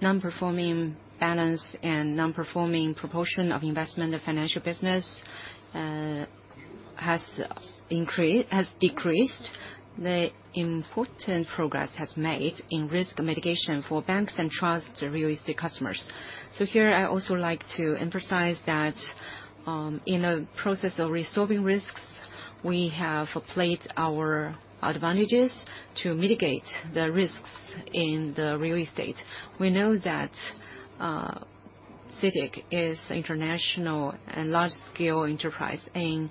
Non-performing balance and non-performing proportion of investment of financial business has decreased. The important progress has made in risk mitigation for banks and trust real estate customers. Here, I also like to emphasize that, in a process of resolving risks, we have applied our advantages to mitigate the risks in the real estate. We know that CITIC is international and large-scale enterprise. In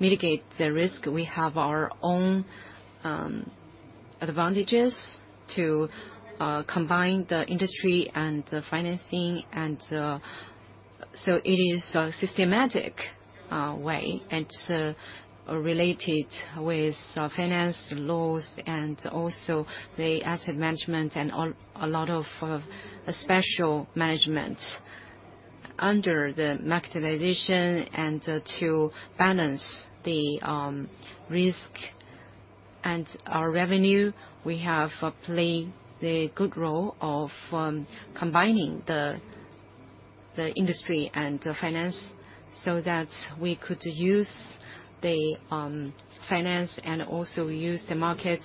mitigate the risk, we have our own advantages to combine the industry and the financing and. It is a systematic way and related with finance laws and also the asset management and a lot of special management. Under the maximization and to balance the risk and our revenue, we have played the good role of combining the industry and the finance so that we could use the finance and also use the market.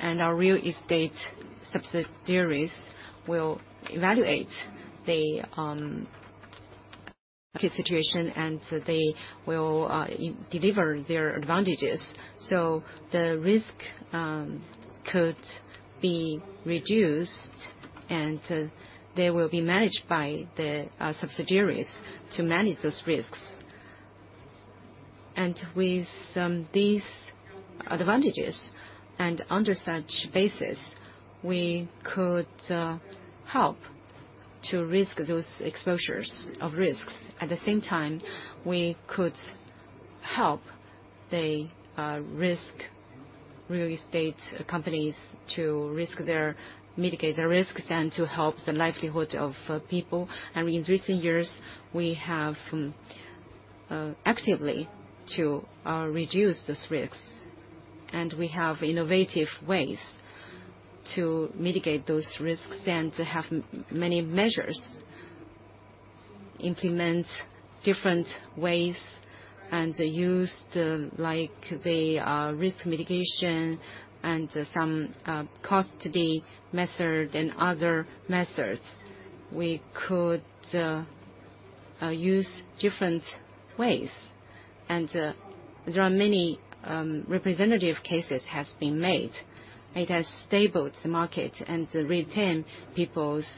Our real estate subsidiaries will evaluate the key situation, and they will deliver their advantages, so the risk could be reduced, and they will be managed by the subsidiaries to manage those risks. With these advantages and under such basis, we could help to reduce those exposures to risks. At the same time, we could help the risk real estate companies to mitigate their risks and to help the livelihood of people. I mean, in recent years, we have actively to reduce these risks, and we have innovative ways to mitigate those risks and to have many measures, implement different ways, and use, like, the risk mitigation and some custody method and other methods. We could use different ways, and there are many representative cases has been made. It has stabilized the market and retain people's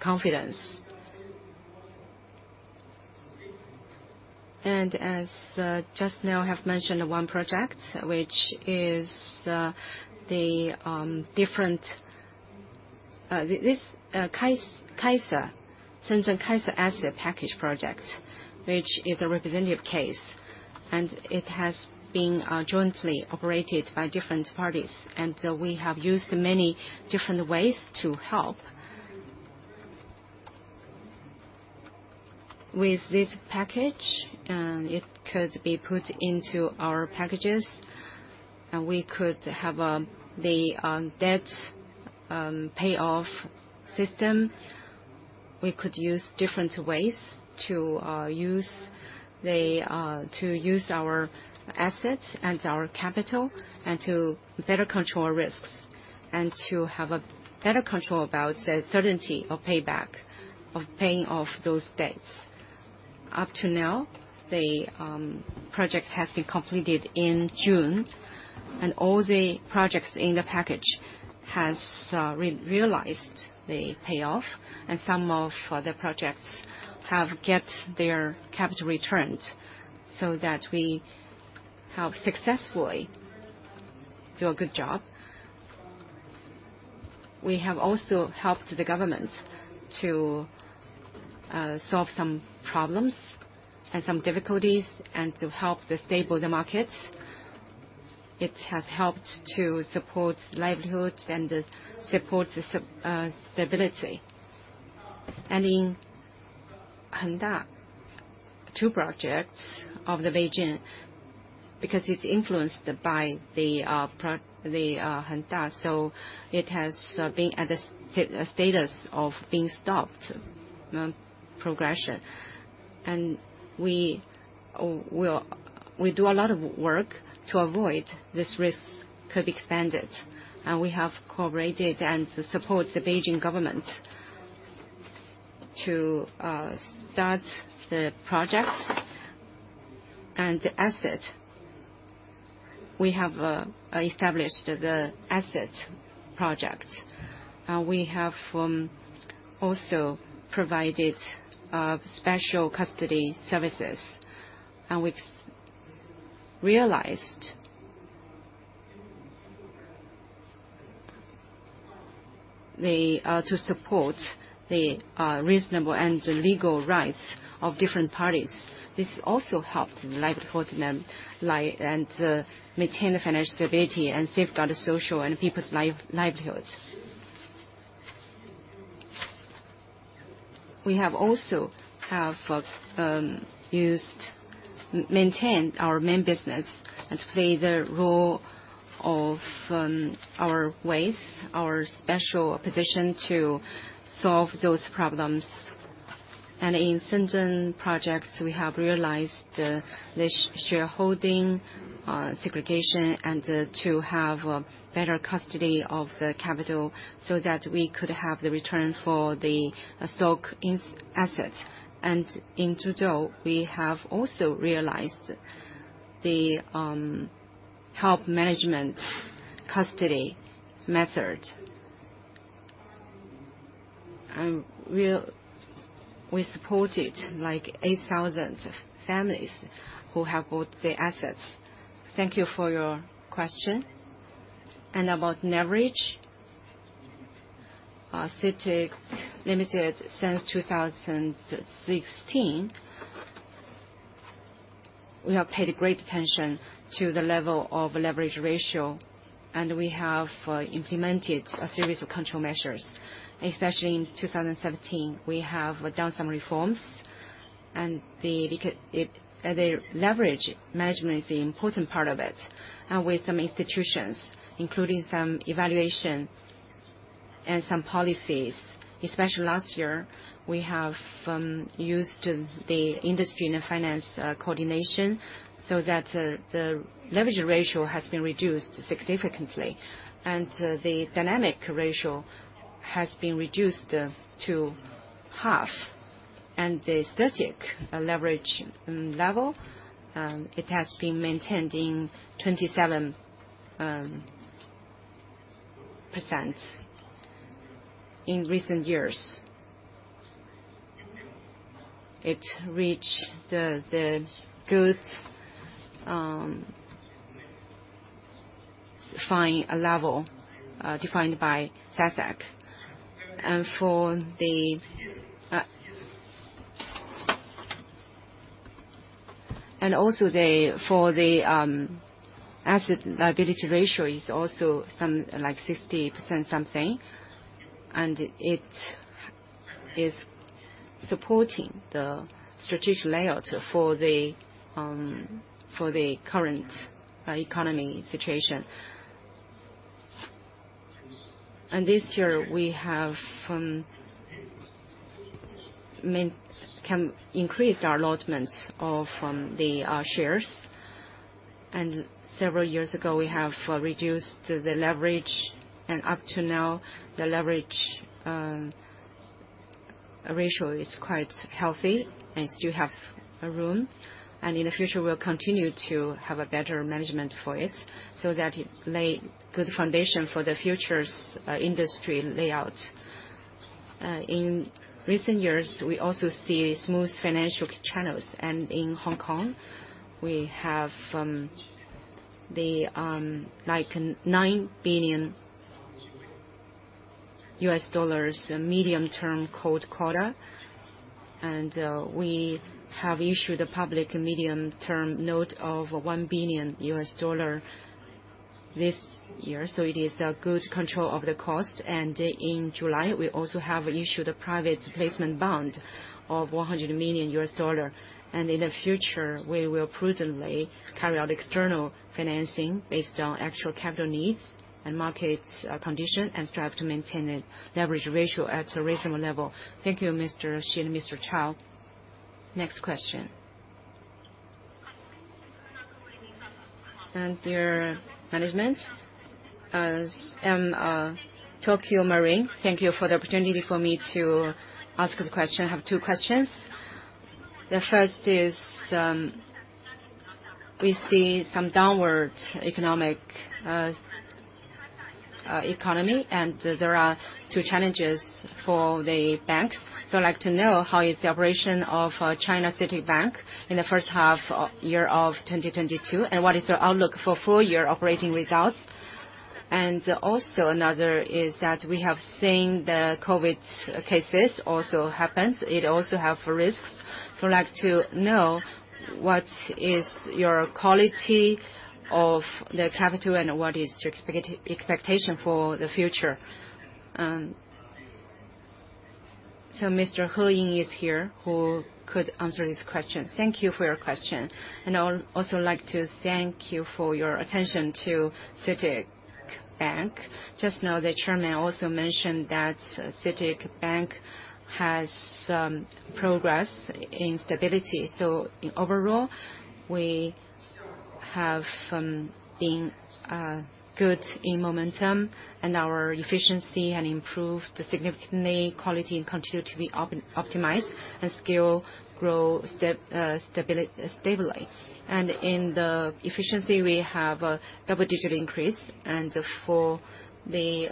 confidence. As just now I have mentioned one project, which is the Kaisa, Shenzhen Kaisa Asset Package project, which is a representative case. It has been jointly operated by different parties, and so we have used many different ways to help with this package, and it could be put into our packages, and we could have the debt payoff system. We could use different ways to use our assets and our capital and to better control risks, and to have a better control about the certainty of payback, of paying off those debts. Up to now, the project has been completed in June, and all the projects in the package has realized the payoff, and some of the projects have get their capital returned, so that we have successfully do a good job. We have also helped the government to solve some problems and some difficulties and to help to stabilize the markets. It has helped to support livelihoods and support the stability. In Hengda, two projects of the Beijing, because it's influenced by the pro- the Hengda, so it has been at the status of being stopped progression. We do a lot of work to avoid this risk could be expanded. We have cooperated to support the Beijing government to start the project and the asset. We have uh established the asset project. We have also provided special custody services, and we've realized how to support the reasonable and legal rights of different parties. This also helped livelihoods and maintain the financial stability and safeguard the social and people's livelihoods. We have also used to maintain our main business and to play the role of our ways, our special position to solve those problems. In Shenzhen projects, we have realized the shareholding segregation and to have a better custody of the capital so that we could have the return for the stock in asset. In Zhuzhou, we have also realized the hub management custody method. We supported like 8,000 families who have bought the assets. Thank you for your question. About leverage, CITIC Limited since 2016, we have paid great attention to the level of leverage ratio, and we have implemented a series of control measures, especially in 2017. We have done some reforms and the leverage management is the important part of it with some institutions, including some evaluation and some policies. Especially last year, we have used the industry and finance coordination so that the leverage ratio has been reduced significantly, and the dynamic ratio has been reduced to half. The static leverage level has been maintained at 27% in recent years. It reached the good fine level defined by SASAC. For the asset liability ratio is also some like 60% something, and it is supporting the strategic layout for the current economy situation. This year, we have increased our allotments of the shares. Several years ago, we have reduced the leverage. Up to now, the leverage ratio is quite healthy and still have a room. In the future, we'll continue to have a better management for it, so that it lay good foundation for the future's industry layout. In recent years, we also see smooth financial channels. In Hong Kong, we have the like $9 billion medium-term note quota. We have issued a public medium-term note of $1 billion this year, so it is a good control of the cost. In July, we also have issued a private placement bond of $100 million. In the future, we will prudently carry out external financing based on actual capital needs and market condition, and strive to maintain a leverage ratio at a reasonable level. Thank you, Xu Zuo, Mr. Cao. Next question. Dear management, I am from Tokio Marine, thank you for the opportunity for me to ask the question. I have two questions. The first is, we see some downward economy, and there are two challenges for the banks. I'd like to know how is the operation of CITIC Bank in the first half of 2022, and what is your outlook for full year operating results? Another is that we have seen the COVID cases also happen, it also has risks. I'd like to know what is your quality of the capital and what is your expectation for the future. Mr. Fang Heying is here, who could answer this question. Thank you for your question. I'll also like to thank you for your attention to CITIC Bank. Just know the chairman also mentioned that CITIC Bank has progress in stability. In overall, we have been good in momentum, and our efficiency had improved significantly, asset quality continued to be optimized, and asset growth stabilized. In the efficiency, we have a double-digit increase. For the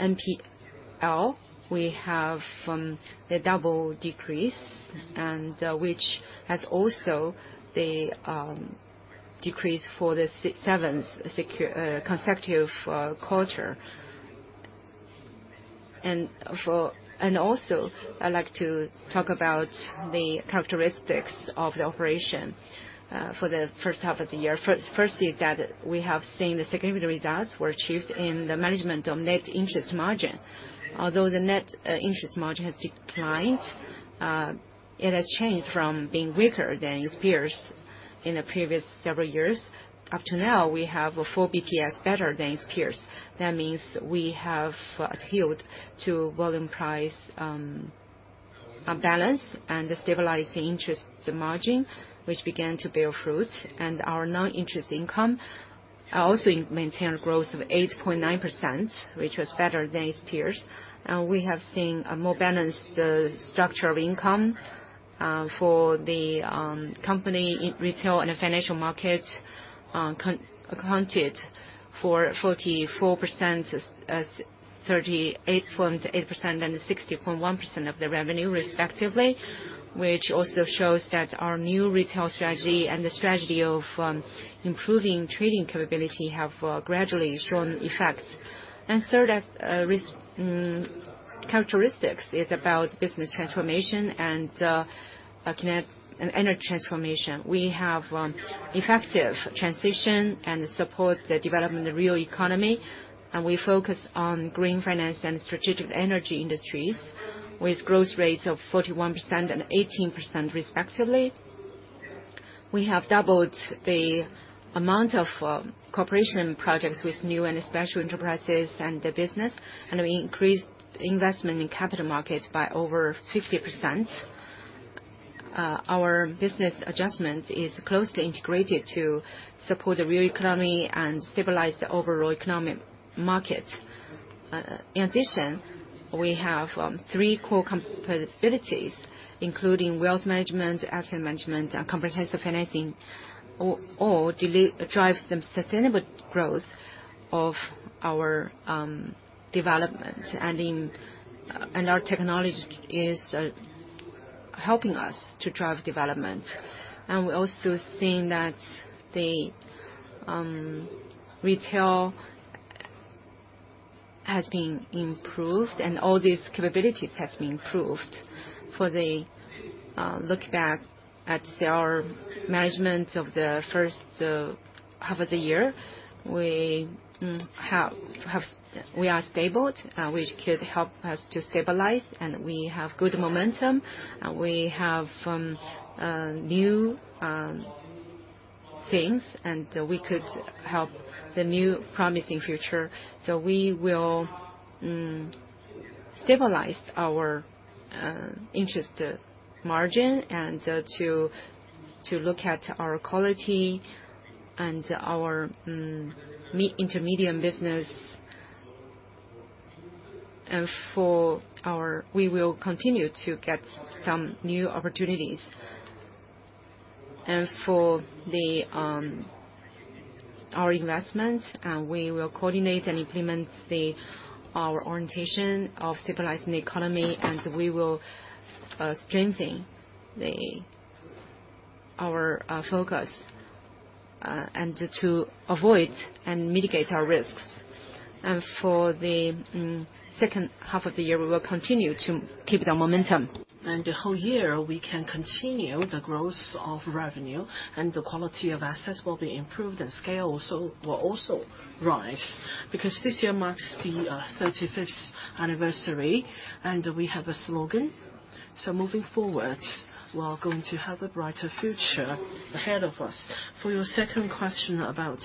NPL, we have a double decrease, which has also decreased for the seventh consecutive quarter. I'd like to talk about the characteristics of the operation for the first half of the year. First is that we have seen the significant results were achieved in the management of net interest margin. Although the net interest margin has declined, it has changed from being weaker than its peers in the previous several years. Up to now, we have a full BPS better than its peers. That means we have adhered to volume-price balance and stabilized the interest margin, which began to bear fruit. Our non-interest income also maintained a growth of 8.9%, which was better than its peers. We have seen a more balanced structure of income for the company. Retail and financial markets accounted for 44%, 38.8% and 60.1% of the revenue respectively, which also shows that our new retail strategy and the strategy of improving trading capability have gradually shown effects. Third is characteristics is about business transformation and an energy transformation. We have effective transition and support the development of the real economy, and we focus on green finance and strategic energy industries with growth rates of 41% and 18% respectively. We have doubled the amount of cooperation projects with new and special enterprises and the business, and we increased investment in capital markets by over 50%. Our business adjustment is closely integrated to support the real economy and stabilize the overall economic market. In addition, we have three core capabilities, including wealth management, asset management, and comprehensive financing, drive some sustainable growth of our development. Our technology is helping us to drive development. We're also seeing that the retail has been improved and all these capabilities has been improved. For the look back at our management of the first half of the year, we are stable, which could help us to stabilize, and we have good momentum, and we have new things, and we could help the new promising future. We will stabilize our interest margin and to look at our quality and our intermediate business. We will continue to get some new opportunities. For our investments, we will coordinate and implement our orientation of stabilizing the economy, and we will strengthen the Our focus and to avoid and mitigate our risks. For the second half of the year, we will continue to keep the momentum. The whole year, we can continue the growth of revenue and the quality of assets will be improved, and scale also will also rise. Because this year marks the 35th anniversary, and we have a slogan. Moving forward, we are going to have a brighter future ahead of us. For your second question about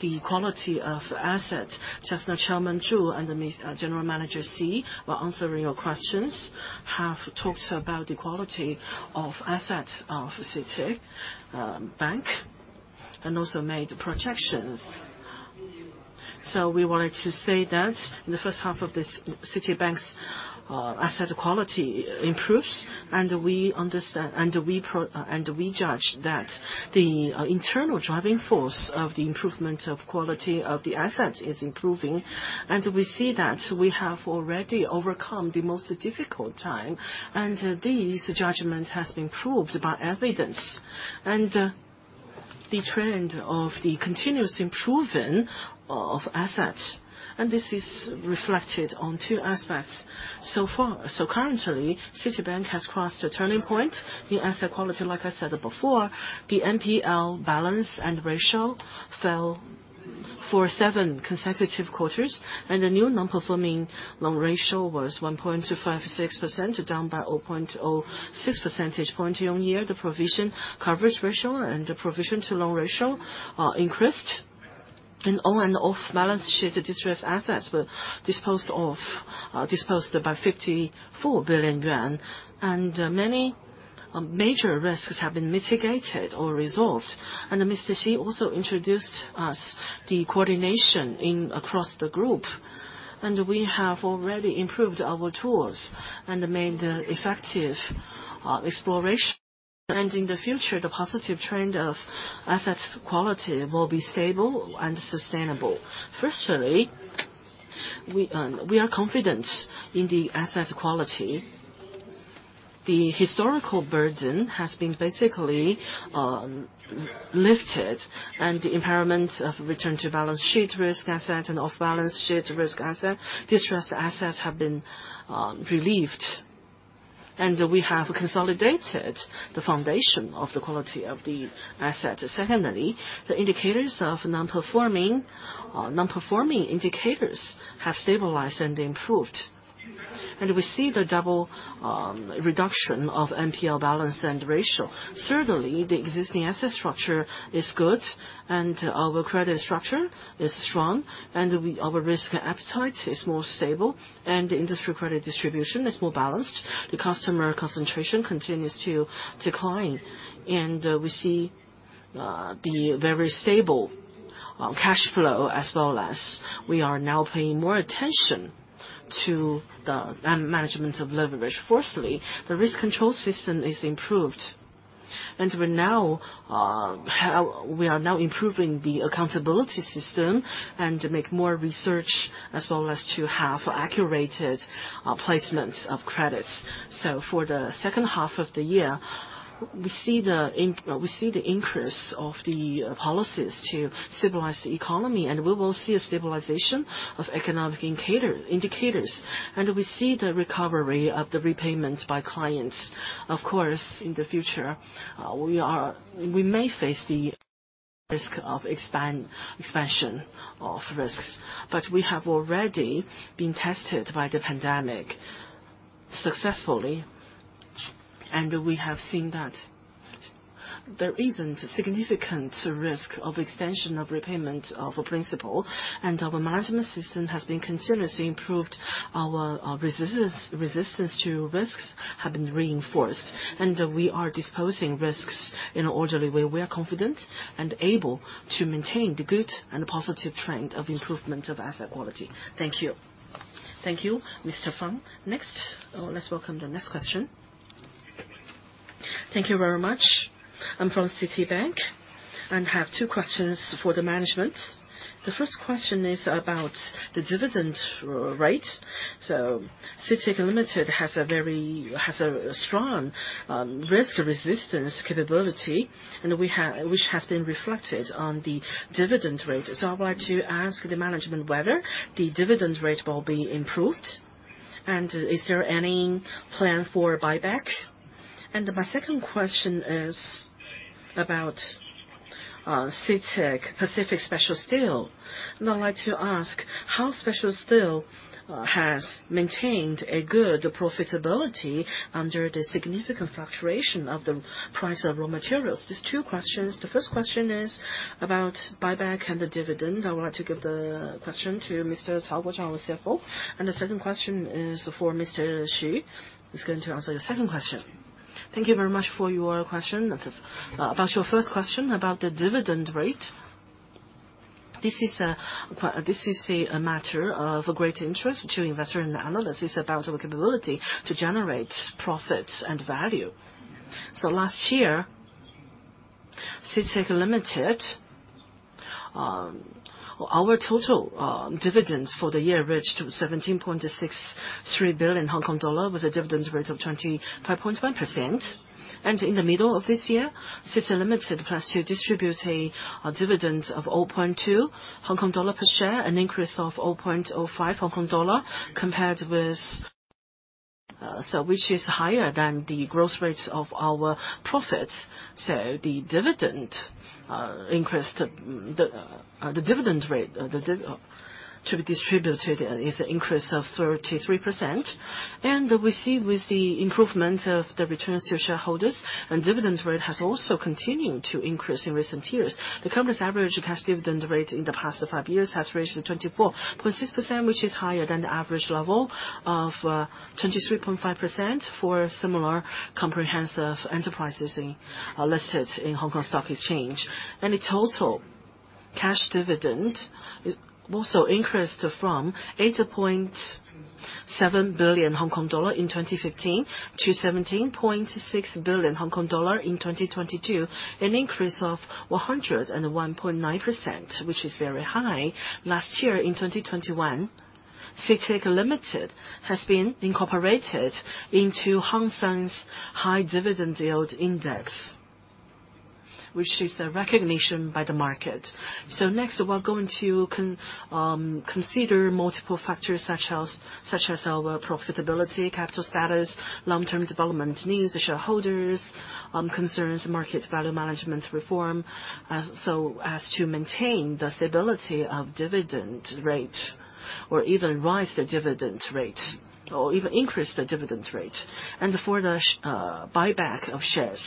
the quality of assets, just now Chairman Zhu and General Manager Xi were answering your questions, have talked about the quality of assets of CITIC Bank, and also made projections. We wanted to say that in the first half of this, CITIC Bank's asset quality improves, and we judge that the internal driving force of the improvement of quality of the assets is improving. We see that we have already overcome the most difficult time, and this judgment has been proved by evidence. The trend of the continuous improving of assets, and this is reflected on two aspects so far. Currently, CITIC Bank has crossed a turning point. The asset quality, like I said before, the NPL balance and ratio fell for seven consecutive quarters, and the new non-performing loan ratio was 1.256%, down by 0.06 percentage point year-on-year. The provision coverage ratio and the provision-to-loan ratio are increased. On and off balance sheet, the distressed assets were disposed of by 54 billion yuan. Many major risks have been mitigated or resolved. Mr. Xi also introduced us the coordination in across the group, and we have already improved our tools and made effective exploration. In the future, the positive trend of assets quality will be stable and sustainable. Firstly, we are confident in the asset quality. The historical burden has been basically lifted, and the impairment of return to balance sheet risk asset and off balance sheet risk asset, distressed assets have been relieved. We have consolidated the foundation of the quality of the assets. Secondly, the indicators of non-performing indicators have stabilized and improved. We see the double reduction of NPL balance and ratio. Certainly, the existing asset structure is good, and our credit structure is strong, and our risk appetite is more stable, and industry credit distribution is more balanced. The customer concentration continues to decline. We see the very stable cash flow, as well as we are now paying more attention to the management of leverage. Firstly, the risk control system is improved. We are now improving the accountability system and to make more research, as well as to have accurate placements of credits. For the second half of the year, we see the increase of the policies to stabilize the economy, and we will see a stabilization of economic indicators. We see the recovery of the repayments by clients. Of course, in the future, we may face the risk of expansion of risks. We have already been tested by the pandemic successfully, and we have seen that there isn't significant risk of extension of repayment of principal, and our management system has been continuously improved. Our resistance to risks have been reinforced, and we are disposing risks in an orderly way. We are confident and able to maintain the good and positive trend of improvement of asset quality. Thank you. Thank you, Mr. Fang. Next. Let's welcome the next question. Thank you very much. I'm from CITIC Bank and have two questions for the management. The first question is about the dividend rate. CITIC Limited has a very strong risk resistance capability, which has been reflected on the dividend rate. I would like to ask the management whether the dividend rate will be improved, and is there any plan for buyback? My second question is about CITIC Pacific Special Steel. I'd like to ask how Special Steel has maintained a good profitability under the significant fluctuation of the price of raw materials. There's two questions. The first question is about buyback and the dividend. I would like to give the question to Mr. Cao Guoqiang, our CFO. The second question is for Mr. Xi Guohua, who's going to answer your second question. Thank you very much for your question. About your first question, about the dividend rate. This is a matter of great interest to investors and analysts. It's about our capability to generate profits and value. Last year, CITIC Limited, our total dividends for the year reached 17.63 billion Hong Kong dollar, with a dividend rate of 25.1%. In the middle of this year, CITIC Limited plans to distribute a dividend of 0.2 Hong Kong dollar per share, an increase of 0.05 Hong Kong dollar compared with, which is higher than the growth rates of our profits. The dividend increase, the dividend rate to be distributed is an increase of 33%. We see with the improvement of the returns to shareholders, the dividend rate has also continued to increase in recent years. The company's average cash dividend rate in the past five years has reached 24.6%, which is higher than the average level of 23.5% for similar comprehensive enterprises listed in Hong Kong Stock Exchange. The total cash dividend is also increased from 8.7 billion Hong Kong dollar in 2015 to 17.6 billion Hong Kong dollar in 2022. An increase of 101.9%, which is very high. Last year in 2021, CITIC Limited has been incorporated into Hang Seng High Dividend Yield Index, which is a recognition by the market. Next, we are going to consider multiple factors such as our profitability, capital status, long-term development needs, the shareholders' concerns, market value management reform, so as to maintain the stability of dividend rate or even increase the dividend rate. For the buyback of shares.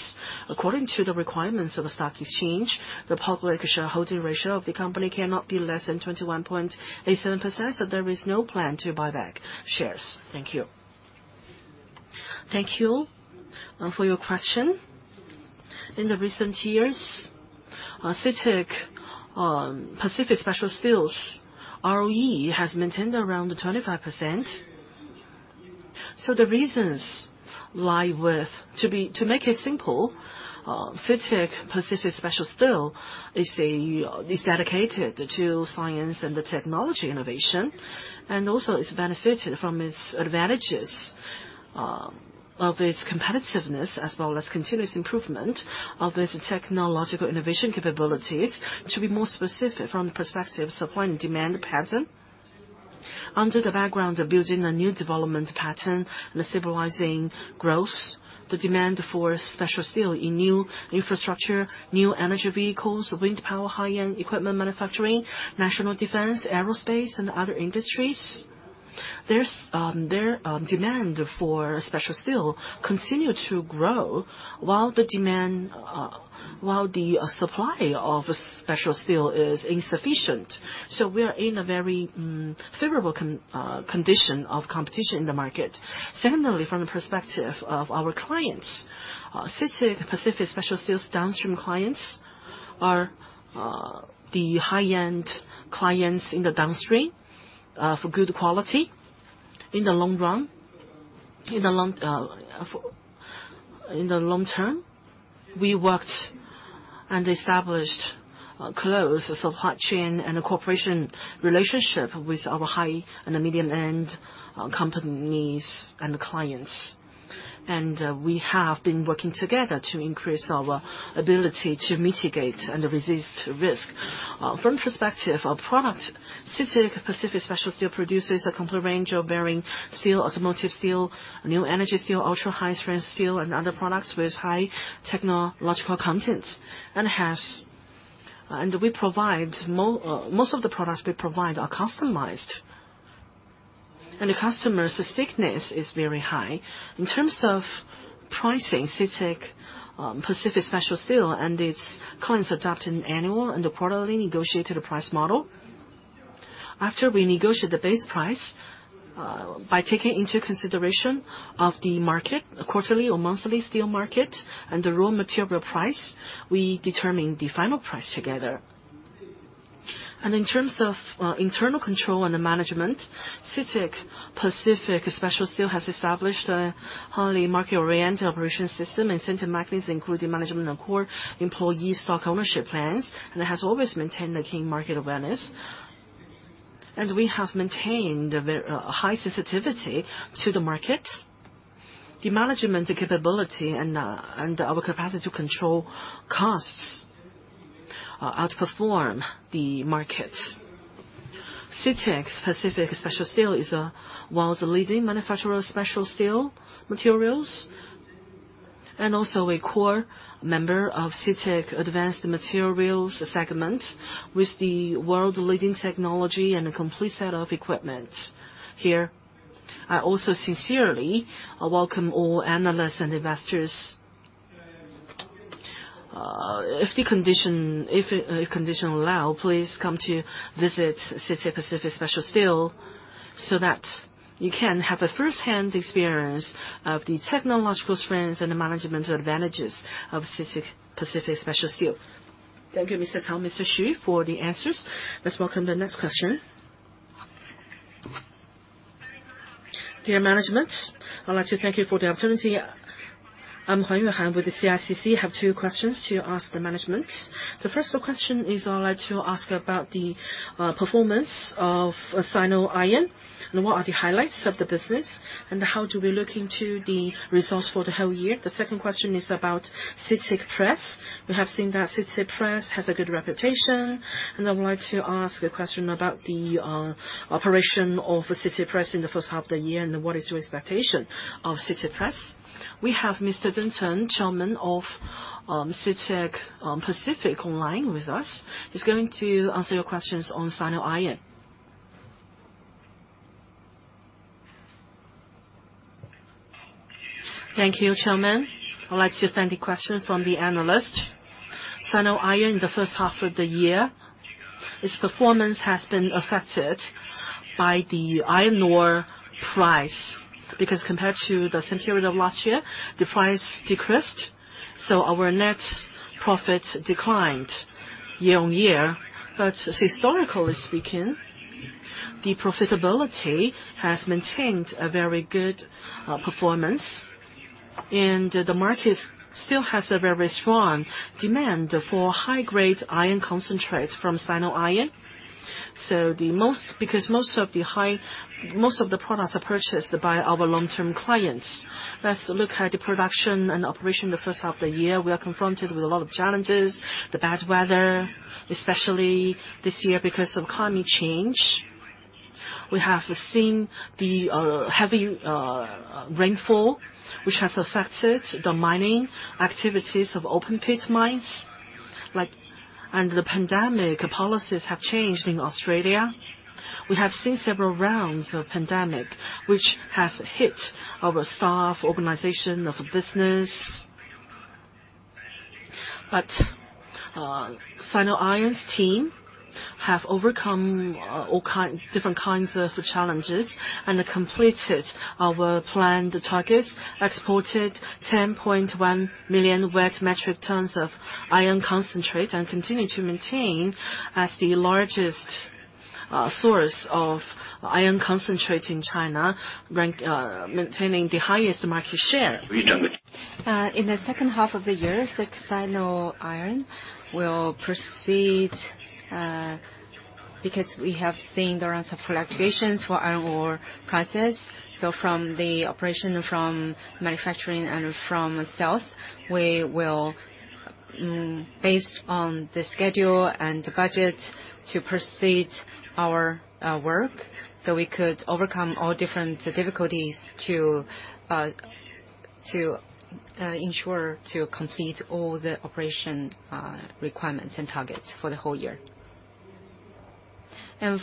According to the requirements of the stock exchange, the public shareholding ratio of the company cannot be less than 21.87%, so there is no plan to buy back shares. Thank you for your question. In recent years, CITIC Pacific Special Steel's ROE has maintained around 25%. The reasons lie with... To make it simple, CITIC Pacific Special Steel is dedicated to science and technology innovation, and also it's benefited from its advantages of its competitiveness as well as continuous improvement of its technological innovation capabilities. To be more specific from the perspective supply and demand pattern. Under the background of building a new development pattern and stabilizing growth, the demand for special steel in new infrastructure, new energy vehicles, wind power, high-end equipment manufacturing, national defense, aerospace and other industries continues to grow while the supply of special steel is insufficient. We are in a very favorable condition of competition in the market. Secondly, from the perspective of our clients, CITIC Pacific Special Steel's downstream clients are the high-end clients in the downstream for good quality in the long run. In the long term, we worked and established close supply chain and a cooperation relationship with our high-end and medium-end companies and clients. We have been working together to increase our ability to mitigate and resist risk. From perspective of product, CITIC Pacific Special Steel produces a complete range of bearing steel, automotive steel, new energy steel, ultra-high strength steel and other products with high technological content. Most of the products we provide are customized. The customers' stickiness is very high. In terms of pricing, CITIC Pacific Special Steel and its clients adopt an annual and a quarterly negotiated price model. After we negotiate the base price, by taking into consideration of the market, the quarterly or monthly steel market and the raw material price, we determine the final price together. In terms of internal control and the management, CITIC Pacific Special Steel has established a highly market-oriented operation system incentive mechanisms, including management and core employee stock ownership plans, and has always maintained a keen market awareness. We have maintained a high sensitivity to the market, the management capability and our capacity to control costs outperform the market. CITIC Pacific Special Steel is one of the leading manufacturer of special steel materials and also a core member of CITIC Advanced Materials segment with the world-leading technology and a complete set of equipment. Here, I also sincerely welcome all analysts and investors. If condition allow, please come to visit CITIC Pacific Special Steel so that you can have a first-hand experience of the technological strengths and the management advantages of CITIC Pacific Special Steel. Thank you, Mr. Cao and Mr. Xu for the answers. Let's welcome the next question. Dear management, I'd like to thank you for the opportunity. I'm with the CICC. Have two questions to ask the management. The first question is I'd like to ask about the performance of Sino Iron and what are the highlights of the business, and how do we look into the results for the whole year? The second question is about CITIC Press. We have seen that CITIC Press has a good reputation, and I would like to ask a question about the operation of CITIC Press in the first half of the year, and what is your expectation of CITIC Press? We have Mr. Zhang Chen, Chairman of CITIC Pacific online with us. He's going to answer your questions on Sino Iron. Thank you, Chairman. I'd like to start the question from the analyst. Sino Iron in the first half of the year, its performance has been affected by the iron ore price, because compared to the same period of last year, the price decreased, so our net profit declined year-on-year. Historically speaking, the profitability has maintained a very good performance and the market still has a very strong demand for high-grade iron concentrate from Sino Iron. Most of the products are purchased by our long-term clients. Let's look at the production and operation in the first half of the year. We are confronted with a lot of challenges, the bad weather, especially this year because of climate change. We have seen the heavy rainfall, which has affected the mining activities of open pit mines. Like, and the pandemic policies have changed in Australia. We have seen several rounds of pandemic, which has hit our staff, organization of business. Sino Iron's team have overcome different kinds of challenges and completed our planned targets, exported 10.1 million wet metric tons of iron ore concentrate, and continue to maintain as the largest source of iron ore concentrate in China, ranking maintaining the highest market share. In the second half of the year, Sino Iron will proceed because we have seen there are some fluctuations in iron ore prices. From the operation from manufacturing and from sales, we will based on the schedule and budget to proceed our work, so we could overcome all different difficulties to ensure to complete all the operational requirements and targets for the whole year.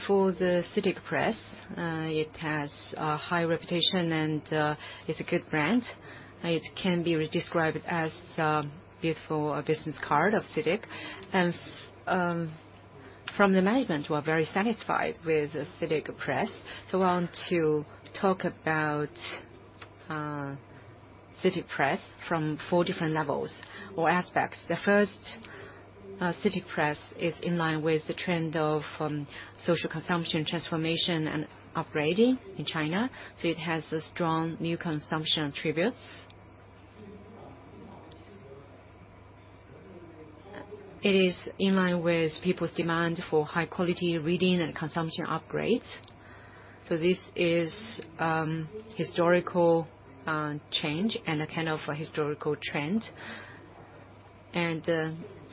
For the CITIC Press, it has a high reputation and is a good brand. It can be described as a beautiful business card of CITIC. From the management, we're very satisfied with CITIC Press. I want to talk about CITIC Press from four different levels or aspects. The first, CITIC Press is in line with the trend of social consumption, transformation, and upgrading in China. It has a strong new consumption attributes. It is in line with people's demand for high quality reading and consumption upgrades. This is historical change and a kind of a historical trend.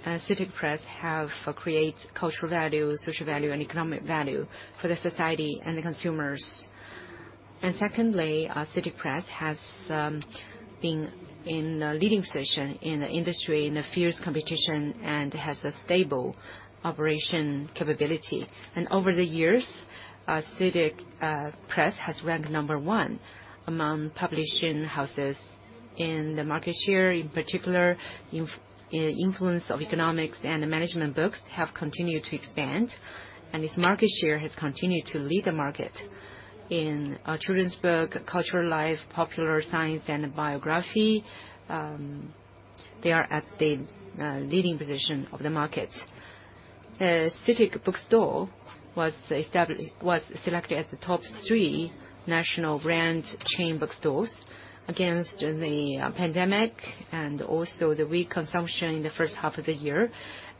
CITIC Press have create cultural value, social value, and economic value for the society and the consumers. Secondly, CITIC Press has been in a leading position in the industry, in the fierce competition, and has a stable operation capability. Over the years, CITIC Press has ranked number one among publishing houses in the market share. In particular, influence of economics and management books have continued to expand, and its market share has continued to lead the market. In children's book, cultural life, popular science and biography, they are at the leading position of the market. The CITIC bookstore was selected as the top three national brand chain bookstores against the pandemic and also the weak consumption in the first half of the year.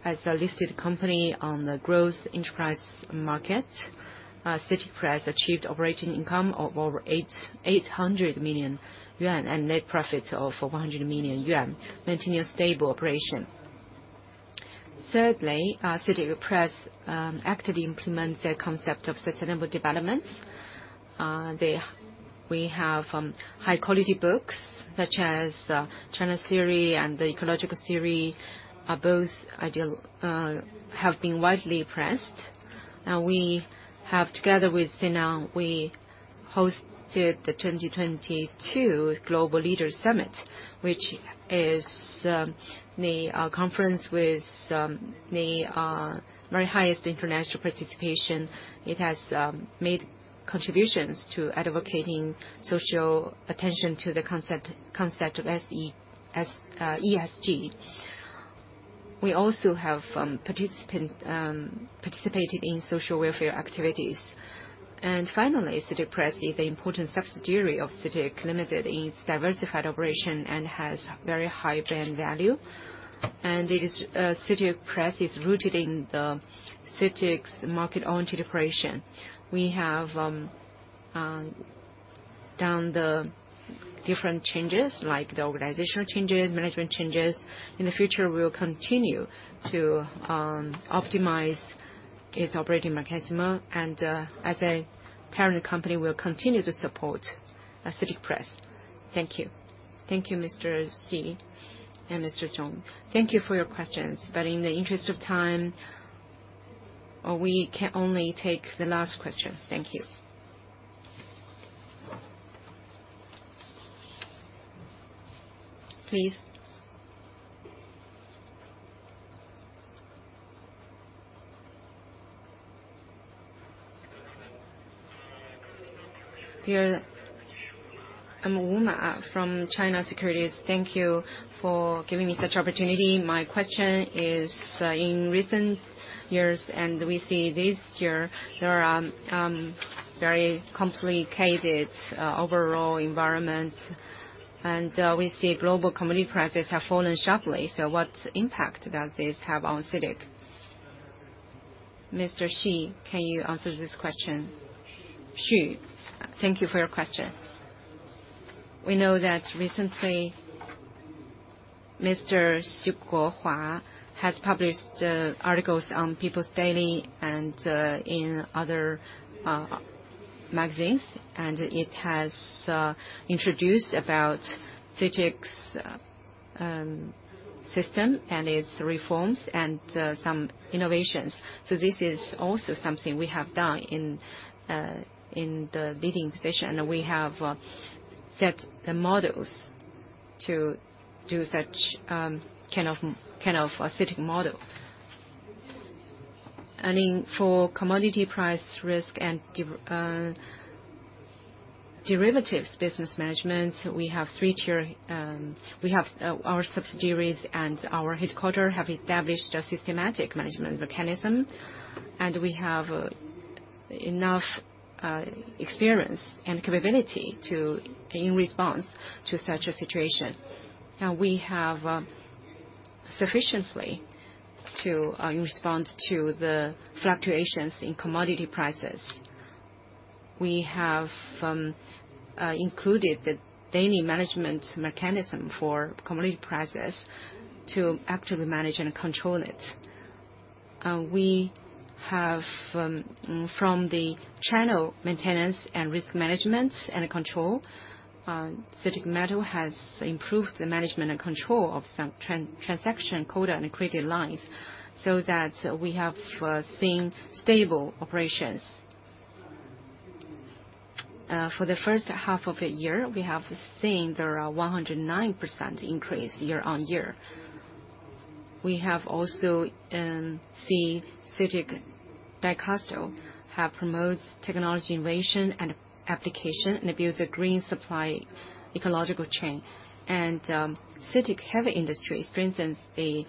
As a listed company on the Growth Enterprise Market, CITIC Press achieved operating income of over 800 million yuan and net profit of 100 million yuan, maintaining a stable operation. Thirdly, CITIC Press actively implements the concept of sustainable development. We have high quality books such as China Theory and the Ecological Theory have been widely praised. We have, together with Sina, hosted the 2022 Global Leaders Summit, which is the conference with the very highest international participation. It has made contributions to advocating social attention to the concept of ESG. We also participated in social welfare activities. Finally, CITIC Press is an important subsidiary of CITIC Limited in its diversified operation and has very high brand value. It is, CITIC Press is rooted in the CITIC's state-owned integration. We have done the different changes, like the organizational changes, management changes. In the future, we will continue to optimize its operating mechanism, and, as a parent company, we will continue to support, CITIC Press. Thank you. Thank you, Mr. Xi and Mr. Zhang. Thank you for your questions. In the interest of time, we can only take the last question. Thank you. Please. Dear, I'm Yuan Ye from China Securities. Thank you for giving me such opportunity. My question is, in recent years, and we see this year, there are, very complicated, overall environments, and, we see global commodity prices have fallen sharply. So what impact does this have on CITIC? Mr. Xi, can you answer this question? Xi. Thank you for your question. We know that recently, Mr. Xi Guohua has published articles on People's Daily and in other magazines, and it has introduced about CITIC's system and its reforms and some innovations. This is also something we have done in the leading position. We have set the models to do such kind of a CITIC model. In for commodity price risk and derivatives business management, we have three-tier, our subsidiaries and our headquarters have established a systematic management mechanism, and we have enough experience and capability to respond to such a situation. Now, we have sufficiently to respond to the fluctuations in commodity prices. We have included the daily management mechanism for commodity prices to actively manage and control it. We have, from the channel maintenance and risk management and control, CITIC Metal has improved the management and control of some transaction quota and credit lines so that we have seen stable operations. For the first half of the year, we have seen there are 109% increase year-over-year. We have also see CITIC Dicastal have promotes technology innovation and application and builds a green supply ecological chain. CITIC Heavy Industries strengthens the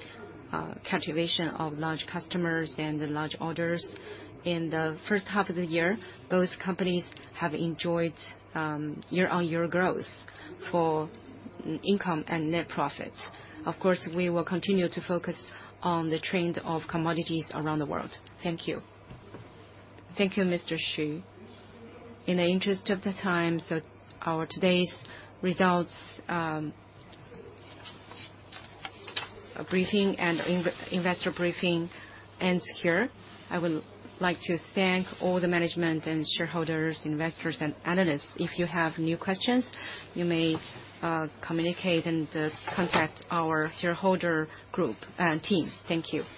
cultivation of large customers and the large orders. In the first half of the year, those companies have enjoyed year-over-year growth for income and net profit. Of course, we will continue to focus on the trend of commodities around the world. Thank you. Thank you, Mr. Xi. In the interest of the time, so our today's results briefing and investor briefing ends here. I would like to thank all the management and shareholders, investors, and analysts. If you have new questions, you may communicate and contact our shareholder group team. Thank you.